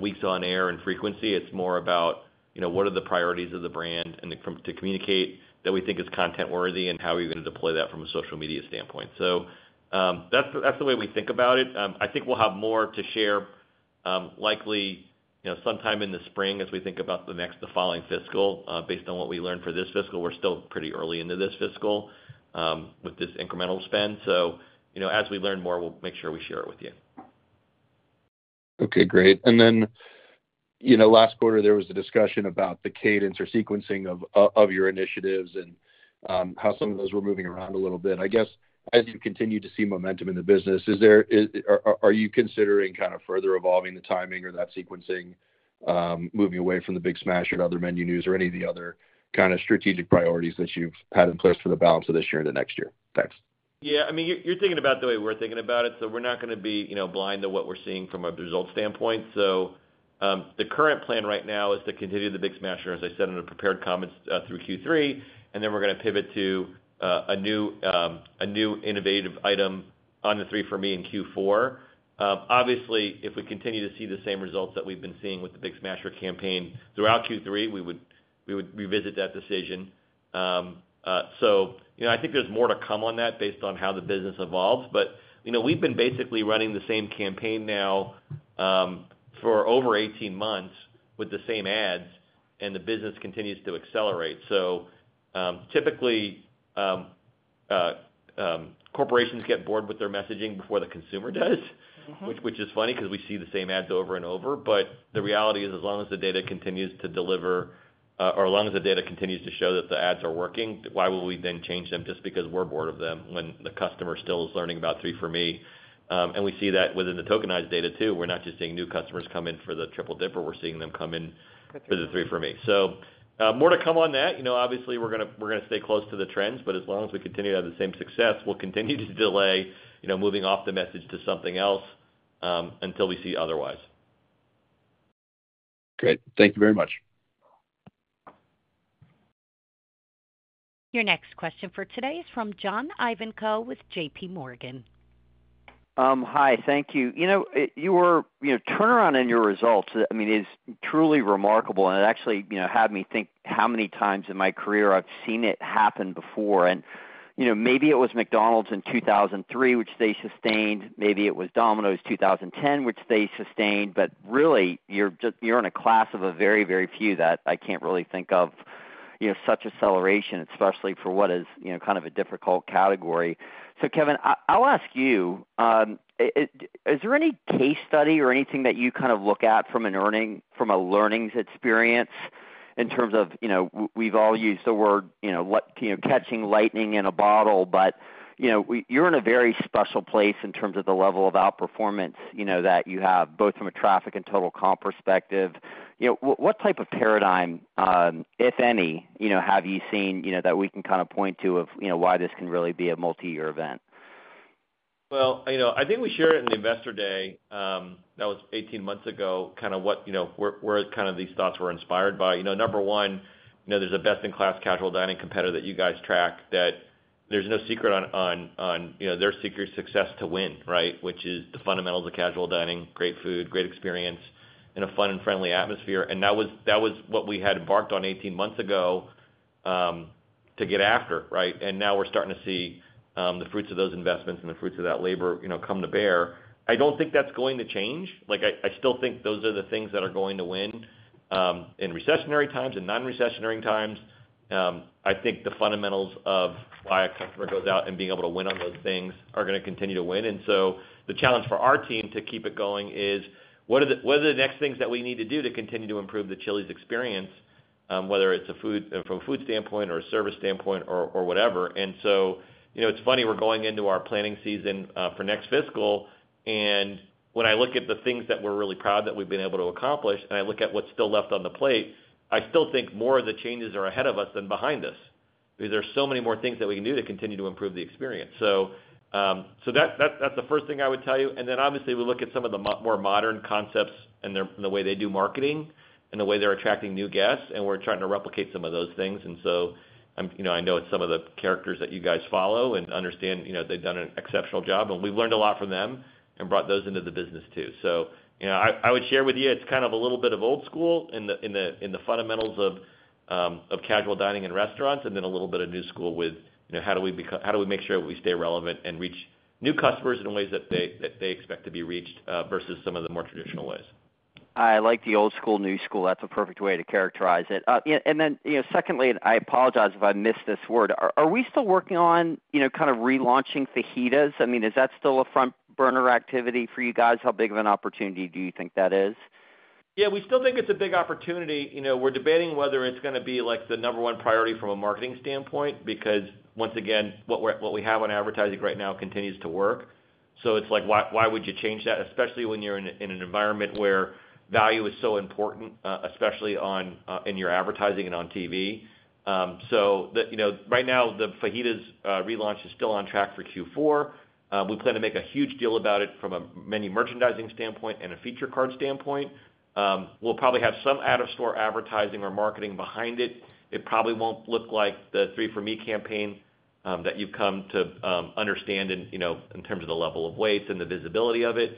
weeks on air and frequency. It's more about what are the priorities of the brand to communicate that we think is content-worthy and how are you going to deploy that from a social media standpoint? So that's the way we think about it. I think we'll have more to share likely sometime in the spring as we think about the following fiscal. Based on what we learned for this fiscal, we're still pretty early into this fiscal with this incremental spend. So as we learn more, we'll make sure we share it with you. Okay, great. And then last quarter, there was a discussion about the cadence or sequencing of your initiatives and how some of those were moving around a little bit. I guess as you continue to see momentum in the business, are you considering kind of further evolving the timing or that sequencing, moving away from the Big Smasher or other menu news or any of the other kind of strategic priorities that you've had in place for the balance of this year and the next year? Thanks. Yeah. I mean, you're thinking about the way we're thinking about it. So we're not going to be blind to what we're seeing from a result standpoint. So the current plan right now is to continue the Big Smasher, as I said, in the prepared comments through Q3. And then we're going to pivot to a new innovative item on the Three For Me in Q4. Obviously, if we continue to see the same results that we've been seeing with the Big Smasher campaign throughout Q3, we would revisit that decision. So I think there's more to come on that based on how the business evolves. But we've been basically running the same campaign now for over 18 months with the same ads, and the business continues to accelerate. So typically, corporations get bored with their messaging before the consumer does, which is funny because we see the same ads over and over. But the reality is, as long as the data continues to deliver or as long as the data continues to show that the ads are working, why will we then change them just because we're bored of them when the customer still is learning about Three For Me? And we see that within the tokenized data too. We're not just seeing new customers come in for the Triple Dipper. We're seeing them come in for the Three For Me. So more to come on that. Obviously, we're going to stay close to the trends, but as long as we continue to have the same success, we'll continue to delay moving off the message to something else until we see otherwise. Great. Thank you very much. Your next question for today is from John Ivankoe with JPMorgan. Hi, thank you. Your turnaround in your results, I mean, is truly remarkable, and it actually had me think how many times in my career I've seen it happen before, and maybe it was McDonald's in 2003, which they sustained. Maybe it was Domino's 2010, which they sustained, but really, you're in a class of very, very few that I can't really think of such acceleration, especially for what is kind of a difficult category, so Kevin, I'll ask you, is there any case study or anything that you kind of look at from a learning experience in terms of we've all used the word catching lightning in a bottle, but you're in a very special place in terms of the level of outperformance that you have, both from a traffic and total comp perspective. What type of paradigm, if any, have you seen that we can kind of point to of why this can really be a multi-year event? I think we shared it in the investor day. That was 18 months ago, kind of what we're kind of these thoughts were inspired by. Number one, there's a best-in-class casual dining competitor that you guys track. There's no secret on their secret success to win, right, which is the fundamentals of casual dining, great food, great experience, and a fun and friendly atmosphere. That was what we had embarked on 18 months ago to get after, right? Now we're starting to see the fruits of those investments and the fruits of that labor come to bear. I don't think that's going to change. I still think those are the things that are going to win in recessionary times and non-recessionary times. I think the fundamentals of why a customer goes out and being able to win on those things are going to continue to win. And so the challenge for our team to keep it going is what are the next things that we need to do to continue to improve the Chili's experience, whether it's from a food standpoint or a service standpoint or whatever. And so it's funny, we're going into our planning season for next fiscal. And when I look at the things that we're really proud that we've been able to accomplish, and I look at what's still left on the plate, I still think more of the changes are ahead of us than behind us. There's so many more things that we can do to continue to improve the experience. So that's the first thing I would tell you. And then obviously, we look at some of the more modern concepts and the way they do marketing and the way they're attracting new guests. And we're trying to replicate some of those things. And so I know it's some of the characters that you guys follow and understand they've done an exceptional job. And we've learned a lot from them and brought those into the business too. So I would share with you, it's kind of a little bit of old school in the fundamentals of casual dining and restaurants, and then a little bit of new school with how do we make sure we stay relevant and reach new customers in ways that they expect to be reached versus some of the more traditional ways. I like the old school, new school. That's a perfect way to characterize it, and then secondly, and I apologize if I missed this word, are we still working on kind of relaunching fajitas? I mean, is that still a front-burner activity for you guys? How big of an opportunity do you think that is? Yeah, we still think it's a big opportunity. We're debating whether it's going to be the number one priority from a marketing standpoint because, once again, what we have on advertising right now continues to work. So it's like, why would you change that, especially when you're in an environment where value is so important, especially in your advertising and on TV? So right now, the fajitas relaunch is still on track for Q4. We plan to make a huge deal about it from a menu merchandising standpoint and a feature card standpoint. We'll probably have some out-of-store advertising or marketing behind it. It probably won't look like the Three For Me campaign that you've come to understand in terms of the level of weights and the visibility of it.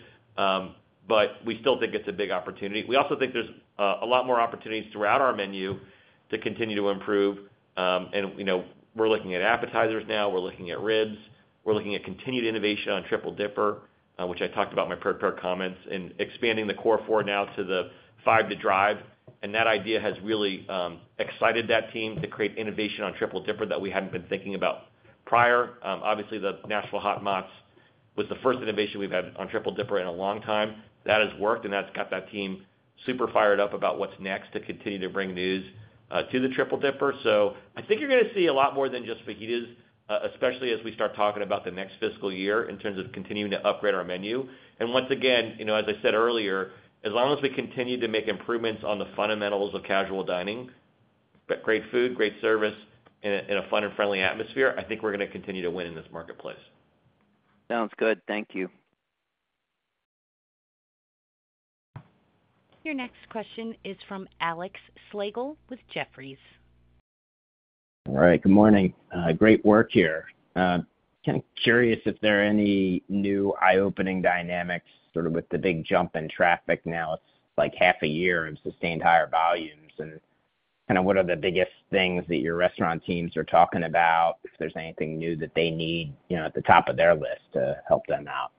But we still think it's a big opportunity. We also think there's a lot more opportunities throughout our menu to continue to improve, and we're looking at appetizers now. We're looking at ribs. We're looking at continued innovation on Triple Dipper, which I talked about in my prepared comments and expanding the Core Four now to the Five to Drive. And that idea has really excited that team to create innovation on Triple Dipper that we hadn't been thinking about prior. Obviously, the Nashville Hot Mozz was the first innovation we've had on Triple Dipper in a long time. That has worked, and that's got that team super fired up about what's next to continue to bring new to the Triple Dipper, so I think you're going to see a lot more than just fajitas, especially as we start talking about the next fiscal year in terms of continuing to upgrade our menu. Once again, as I said earlier, as long as we continue to make improvements on the fundamentals of casual dining, great food, great service, and a fun and friendly atmosphere, I think we're going to continue to win in this marketplace. Sounds good. Thank you. Your next question is from Alex Slagle with Jefferies. All right. Good morning. Great work here. Kind of curious if there are any new eye-opening dynamics sort of with the big jump in traffic now. It's like half a year of sustained higher volumes, and kind of what are the biggest things that your restaurant teams are talking about, if there's anything new that they need at the top of their list to help them out?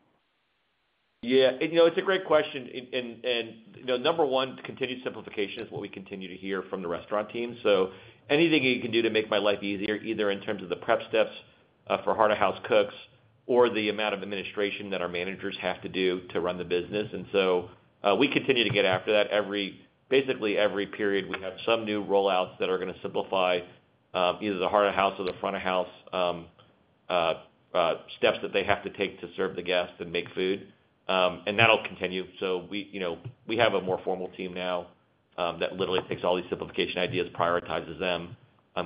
Yeah. It's a great question. And number one, continued simplification is what we continue to hear from the restaurant team. So anything you can do to make my life easier, either in terms of the prep steps for Heart of House cooks or the amount of administration that our managers have to do to run the business. And so we continue to get after that. Basically, every period, we have some new rollouts that are going to simplify either the Heart of House or the front of house steps that they have to take to serve the guests and make food. And that'll continue. So we have a more formal team now that literally takes all these simplification ideas, prioritizes them,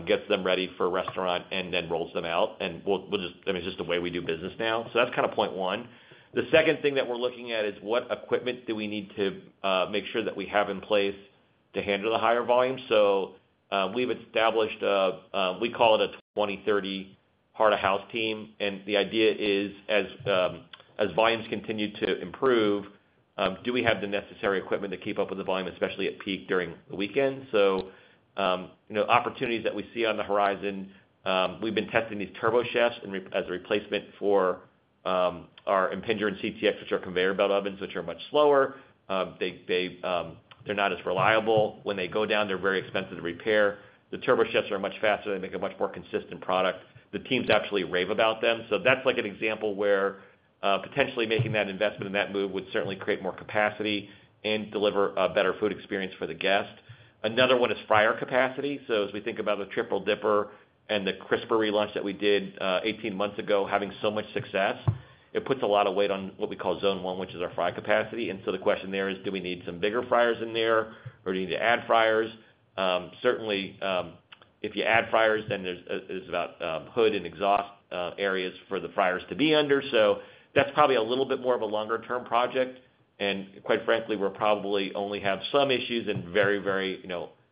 gets them ready for restaurant, and then rolls them out. And I mean, it's just the way we do business now. So that's kind of point one. The second thing that we're looking at is what equipment do we need to make sure that we have in place to handle the higher volume. So we've established a, we call it a 2030 heart of house team. And the idea is, as volumes continue to improve, do we have the necessary equipment to keep up with the volume, especially at peak during the weekend? So opportunities that we see on the horizon, we've been testing these TurboChefs as a replacement for our Impingers and CTX, which are conveyor belt ovens, which are much slower. They're not as reliable. When they go down, they're very expensive to repair. The TurboChefs are much faster. They make a much more consistent product. The teams absolutely rave about them. That's like an example where potentially making that investment in that move would certainly create more capacity and deliver a better food experience for the guest. Another one is fryer capacity. So as we think about the Triple Dipper and the Crispers relaunch that we did 18 months ago, having so much success, it puts a lot of weight on what we call zone one, which is our fry capacity. And so the question there is, do we need some bigger fryers in there, or do you need to add fryers? Certainly, if you add fryers, then there's about hood and exhaust areas for the fryers to be under. So that's probably a little bit more of a longer-term project. And quite frankly, we probably only have some issues in very, very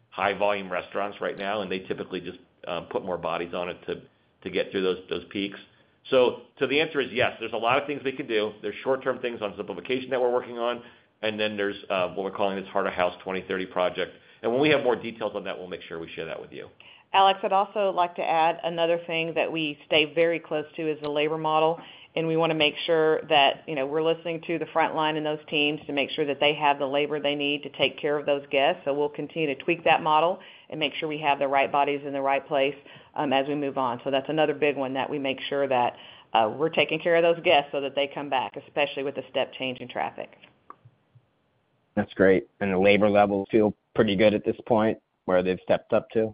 high-volume restaurants right now. And they typically just put more bodies on it to get through those peaks. So the answer is yes. There's a lot of things we can do. There's short-term things on simplification that we're working on. And then there's what we're calling this heart of house 2030 project. And when we have more details on that, we'll make sure we share that with you. Alex, I'd also like to add another thing that we stay very close to is the labor model. And we want to make sure that we're listening to the front line and those teams to make sure that they have the labor they need to take care of those guests. So we'll continue to tweak that model and make sure we have the right bodies in the right place as we move on. So that's another big one that we make sure that we're taking care of those guests so that they come back, especially with the step change in traffic. That's great. And the labor levels feel pretty good at this point where they've stepped up to?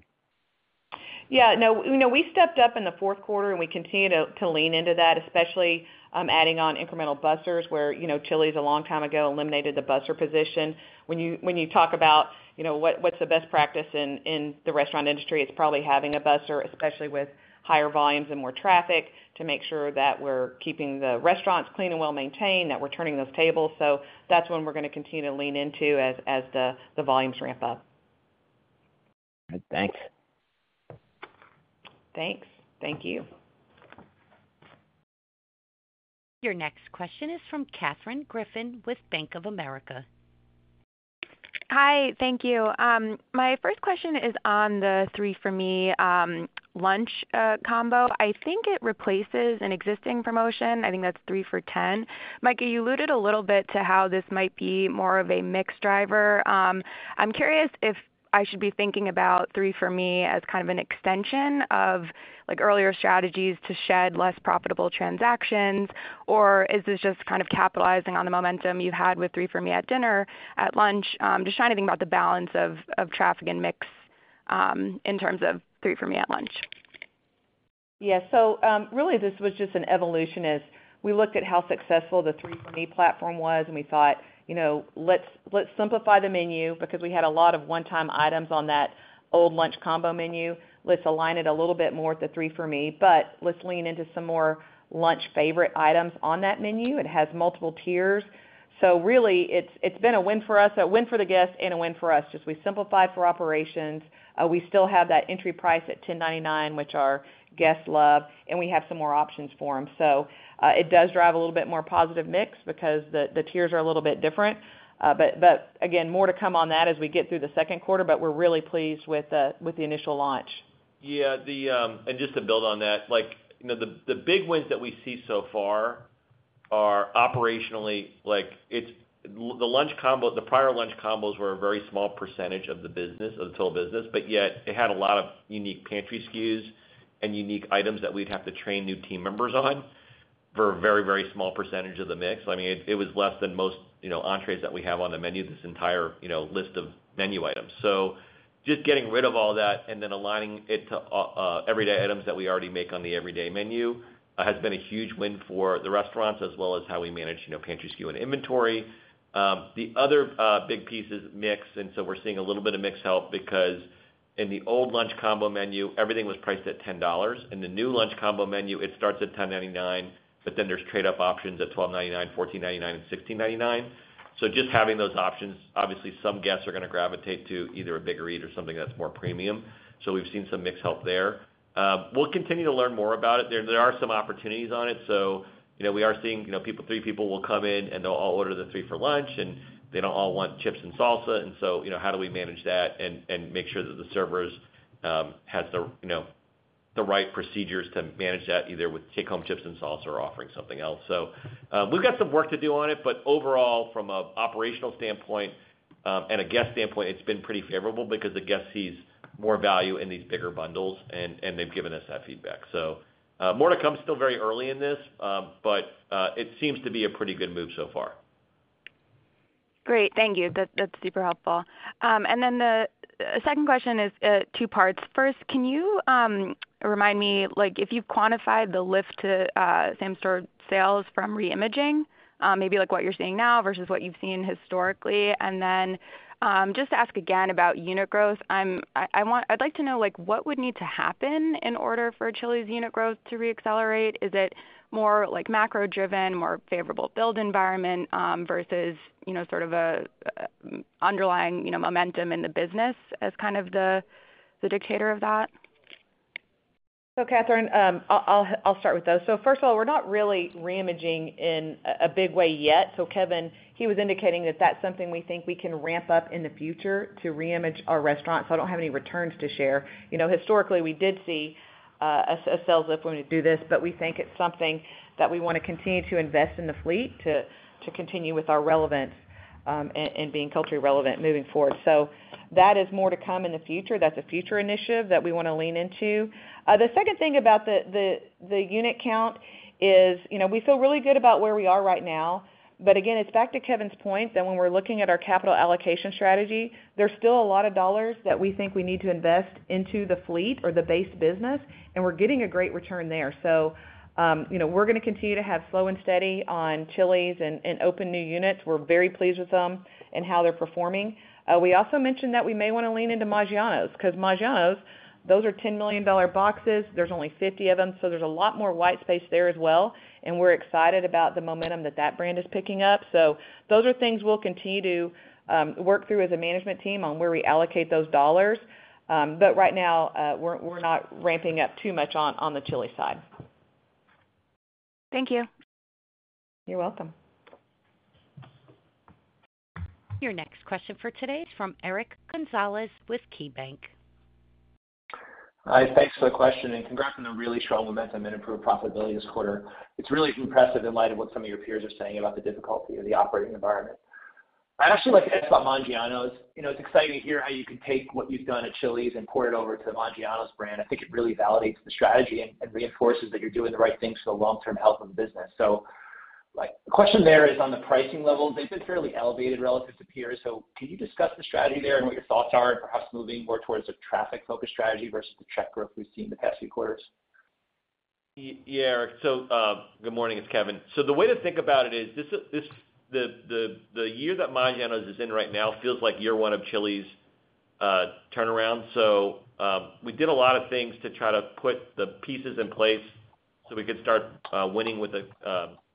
Yeah. No, we stepped up in the fourth quarter, and we continue to lean into that, especially adding on incremental bussers where Chili's a long time ago eliminated the busser position. When you talk about what's the best practice in the restaurant industry, it's probably having a busser, especially with higher volumes and more traffic, to make sure that we're keeping the restaurants clean and well maintained, that we're turning those tables. So that's what we're going to continue to lean into as the volumes ramp up. Thanks. Thanks. Thank you. Your next question is from Katherine Griffin with Bank of America. Hi. Thank you. My first question is on the Three For Me lunch combo. I think it replaces an existing promotion. I think that's three for $10. Mika, you alluded a little bit to how this might be more of a mix driver. I'm curious if I should be thinking about Three For Me as kind of an extension of earlier strategies to shed less profitable transactions, or is this just kind of capitalizing on the momentum you've had with Three For Me at dinner, at lunch? Just trying to think about the balance of traffic and mix in terms of Three For Me at lunch. Yeah. So really, this was just an evolution as we looked at how successful the Three For Me platform was, and we thought, let's simplify the menu because we had a lot of one-time items on that old lunch combo menu. Let's align it a little bit more at the Three For Me, but let's lean into some more lunch favorite items on that menu. It has multiple tiers. So really, it's been a win for us, a win for the guests, and a win for us. Just we simplified for operations. We still have that entry price at $10.99, which our guests love, and we have some more options for them. So it does drive a little bit more positive mix because the tiers are a little bit different. But again, more to come on that as we get through the second quarter, but we're really pleased with the initial launch. Yeah. And just to build on that, the big wins that we see so far are operationally, the prior lunch combos were a very small percentage of the business, of the total business, but yet it had a lot of unique pantry SKUs and unique items that we'd have to train new team members on for a very, very small percentage of the mix. I mean, it was less than most entrees that we have on the menu, this entire list of menu items. So just getting rid of all that and then aligning it to everyday items that we already make on the everyday menu has been a huge win for the restaurants as well as how we manage pantry SKU and inventory. The other big piece is mix. And so we're seeing a little bit of mix help because in the old lunch combo menu, everything was priced at $10. In the new lunch combo menu, it starts at $10.99, but then there's trade-off options at $12.99, $14.99, and $16.99. So just having those options, obviously, some guests are going to gravitate to either a bigger eat or something that's more premium. So we've seen some mix help there. We'll continue to learn more about it. There are some opportunities on it. So we are seeing three people will come in, and they'll all order the Three for Lunch, and they don't all want chips and salsa. And so how do we manage that and make sure that the servers have the right procedures to manage that either with take-home chips and salsa or offering something else? We've got some work to do on it, but overall, from an operational standpoint and a guest standpoint, it's been pretty favorable because the guest sees more value in these bigger bundles, and they've given us that feedback. More on this is still very early in this, but it seems to be a pretty good move so far. Great. Thank you. That's super helpful. And then the second question is two parts. First, can you remind me if you've quantified the lift to same-store sales from reimaging, maybe what you're seeing now versus what you've seen historically? And then just to ask again about unit growth, I'd like to know what would need to happen in order for Chili's unit growth to reaccelerate? Is it more macro-driven, more favorable build environment versus sort of an underlying momentum in the business as kind of the dictator of that? Katherine, I'll start with those. First of all, we're not really reimaging in a big way yet. Kevin, he was indicating that that's something we think we can ramp up in the future to reimage our restaurant. I don't have any returns to share. Historically, we did see a sales lift when we do this, but we think it's something that we want to continue to invest in the fleet to continue with our relevance and being culturally relevant moving forward. That is more to come in the future. That's a future initiative that we want to lean into. The second thing about the unit count is we feel really good about where we are right now. But again, it's back to Kevin's point that when we're looking at our capital allocation strategy, there's still a lot of dollars that we think we need to invest into the fleet or the base business, and we're getting a great return there. So we're going to continue to have slow and steady on Chili's and open new units. We're very pleased with them and how they're performing. We also mentioned that we may want to lean into Maggiano's because Maggiano's, those are $10 million boxes. There's only 50 of them. So there's a lot more white space there as well. And we're excited about the momentum that that brand is picking up. So those are things we'll continue to work through as a management team on where we allocate those dollars. But right now, we're not ramping up too much on the Chili's side. Thank you. You're welcome. Your next question for today is from Eric Gonzalez with KeyBanc. Hi. Thanks for the question and congrats on a really strong momentum and improved profitability this quarter. It's really impressive in light of what some of your peers are saying about the difficulty of the operating environment. I'd actually like to ask about Maggiano's. It's exciting to hear how you can take what you've done at Chili's and pour it over to Maggiano's brand. I think it really validates the strategy and reinforces that you're doing the right things for the long-term health of the business, so the question there is on the pricing level. They've been fairly elevated relative to peers, so can you discuss the strategy there and what your thoughts are and perhaps moving more towards a traffic-focused strategy versus the check growth we've seen in the past few quarters? Yeah. So good morning. It's Kevin. So the way to think about it is the year that Maggiano’s is in right now feels like year one of Chili’s turnaround. So we did a lot of things to try to put the pieces in place so we could start winning with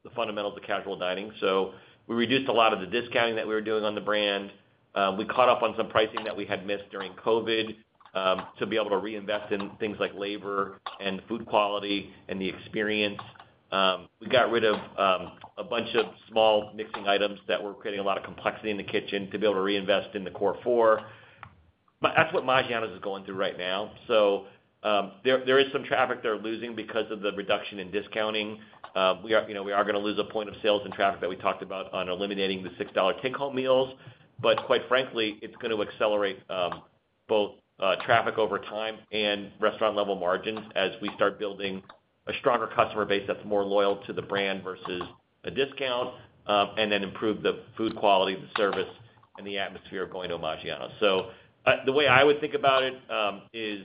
the fundamentals of casual dining. So we reduced a lot of the discounting that we were doing on the brand. We caught up on some pricing that we had missed during COVID to be able to reinvest in things like labor and food quality and the experience. We got rid of a bunch of small mixing items that were creating a lot of complexity in the kitchen to be able to reinvest in the Core Four. That's what Maggiano’s is going through right now. So there is some traffic they're losing because of the reduction in discounting. We are going to lose a point of sales and traffic that we talked about on eliminating the $6 take-home meals. But quite frankly, it's going to accelerate both traffic over time and restaurant-level margins as we start building a stronger customer base that's more loyal to the brand versus a discount and then improve the food quality, the service, and the atmosphere of going to Maggiano's. So the way I would think about it is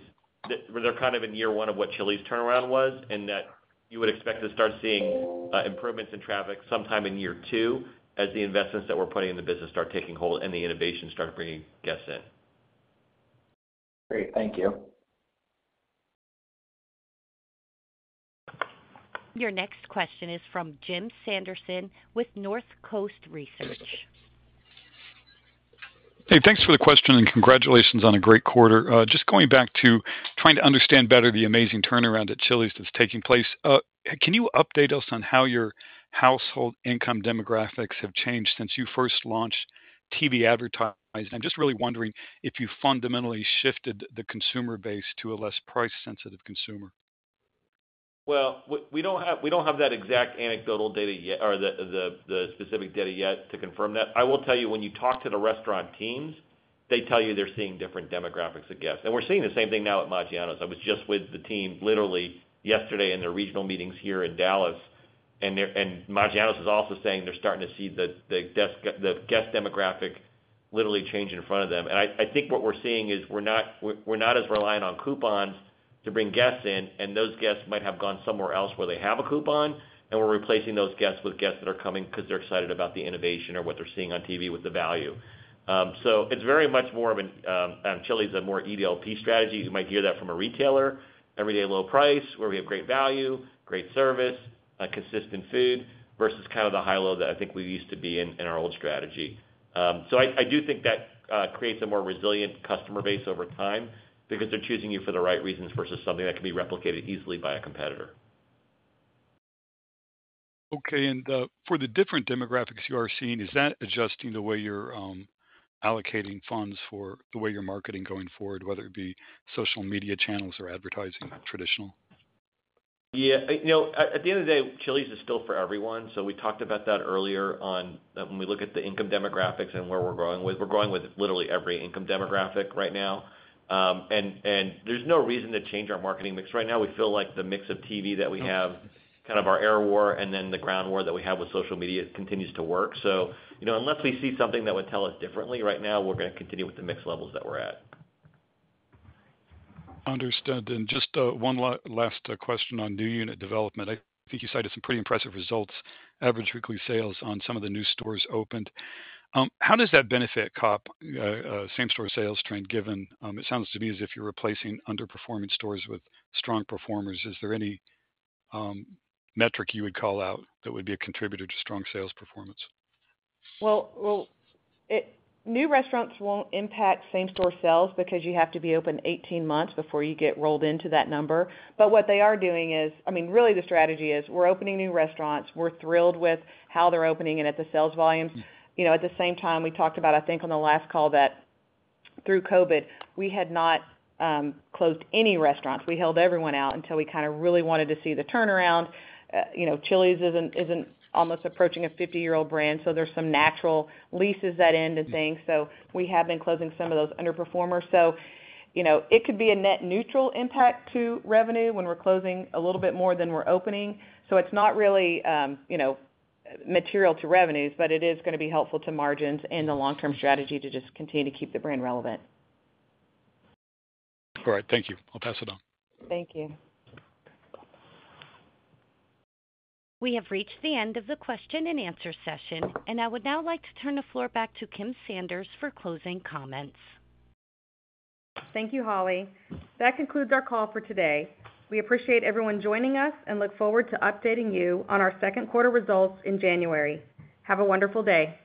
they're kind of in year one of what Chili's turnaround was and that you would expect to start seeing improvements in traffic sometime in year two as the investments that we're putting in the business start taking hold and the innovation start bringing guests in. Great. Thank you. Your next question is from Jim Sanderson with North Coast Research. Hey, thanks for the question and congratulations on a great quarter. Just going back to trying to understand better the amazing turnaround at Chili's that's taking place. Can you update us on how your household income demographics have changed since you first launched TV advertising? I'm just really wondering if you fundamentally shifted the consumer base to a less price-sensitive consumer. We don't have that exact anecdotal data yet or the specific data yet to confirm that. I will tell you, when you talk to the restaurant teams, they tell you they're seeing different demographics of guests. We're seeing the same thing now at Maggiano's. I was just with the team literally yesterday in their regional meetings here in Dallas. Maggiano's is also saying they're starting to see the guest demographic literally change in front of them. I think what we're seeing is we're not as reliant on coupons to bring guests in, and those guests might have gone somewhere else where they have a coupon, and we're replacing those guests with guests that are coming because they're excited about the innovation or what they're seeing on TV with the value. It's very much more of a Chili's is a more EDLP strategy. You might hear that from a retailer, everyday low price, where we have great value, great service, consistent food versus kind of the high low that I think we used to be in our old strategy. So I do think that creates a more resilient customer base over time because they're choosing you for the right reasons versus something that can be replicated easily by a competitor. Okay. And for the different demographics you are seeing, is that adjusting the way you're allocating funds for the way you're marketing going forward, whether it be social media channels or advertising traditional? Yeah. At the end of the day, Chili's is still for everyone. So we talked about that earlier on when we look at the income demographics and where we're going with. We're going with literally every income demographic right now. And there's no reason to change our marketing mix. Right now, we feel like the mix of TV that we have, kind of our air war, and then the ground war that we have with social media continues to work. So unless we see something that would tell us differently right now, we're going to continue with the mix levels that we're at. Understood, and just one last question on new unit development. I think you cited some pretty impressive results, average weekly sales on some of the new stores opened. How does that benefit same-store sales trend given it sounds to me as if you're replacing underperforming stores with strong performers? Is there any metric you would call out that would be a contributor to strong sales performance? New restaurants won't impact same-store sales because you have to be open 18 months before you get rolled into that number. But what they are doing is, I mean, really the strategy is we're opening new restaurants. We're thrilled with how they're opening and at the sales volumes. At the same time, we talked about, I think on the last call that through COVID, we had not closed any restaurants. We held everyone out until we kind of really wanted to see the turnaround. Chili's isn't almost approaching a 50-year-old brand, so there's some natural leases that end and things. So we have been closing some of those underperformers. So it could be a net neutral impact to revenue when we're closing a little bit more than we're opening. So it's not really material to revenues, but it is going to be helpful to margins and the long-term strategy to just continue to keep the brand relevant. All right. Thank you. I'll pass it on. Thank you. We have reached the end of the question and answer session, and I would now like to turn the floor back to Kim Sanders for closing comments. Thank you, Holly. That concludes our call for today. We appreciate everyone joining us and look forward to updating you on our second quarter results in January. Have a wonderful day.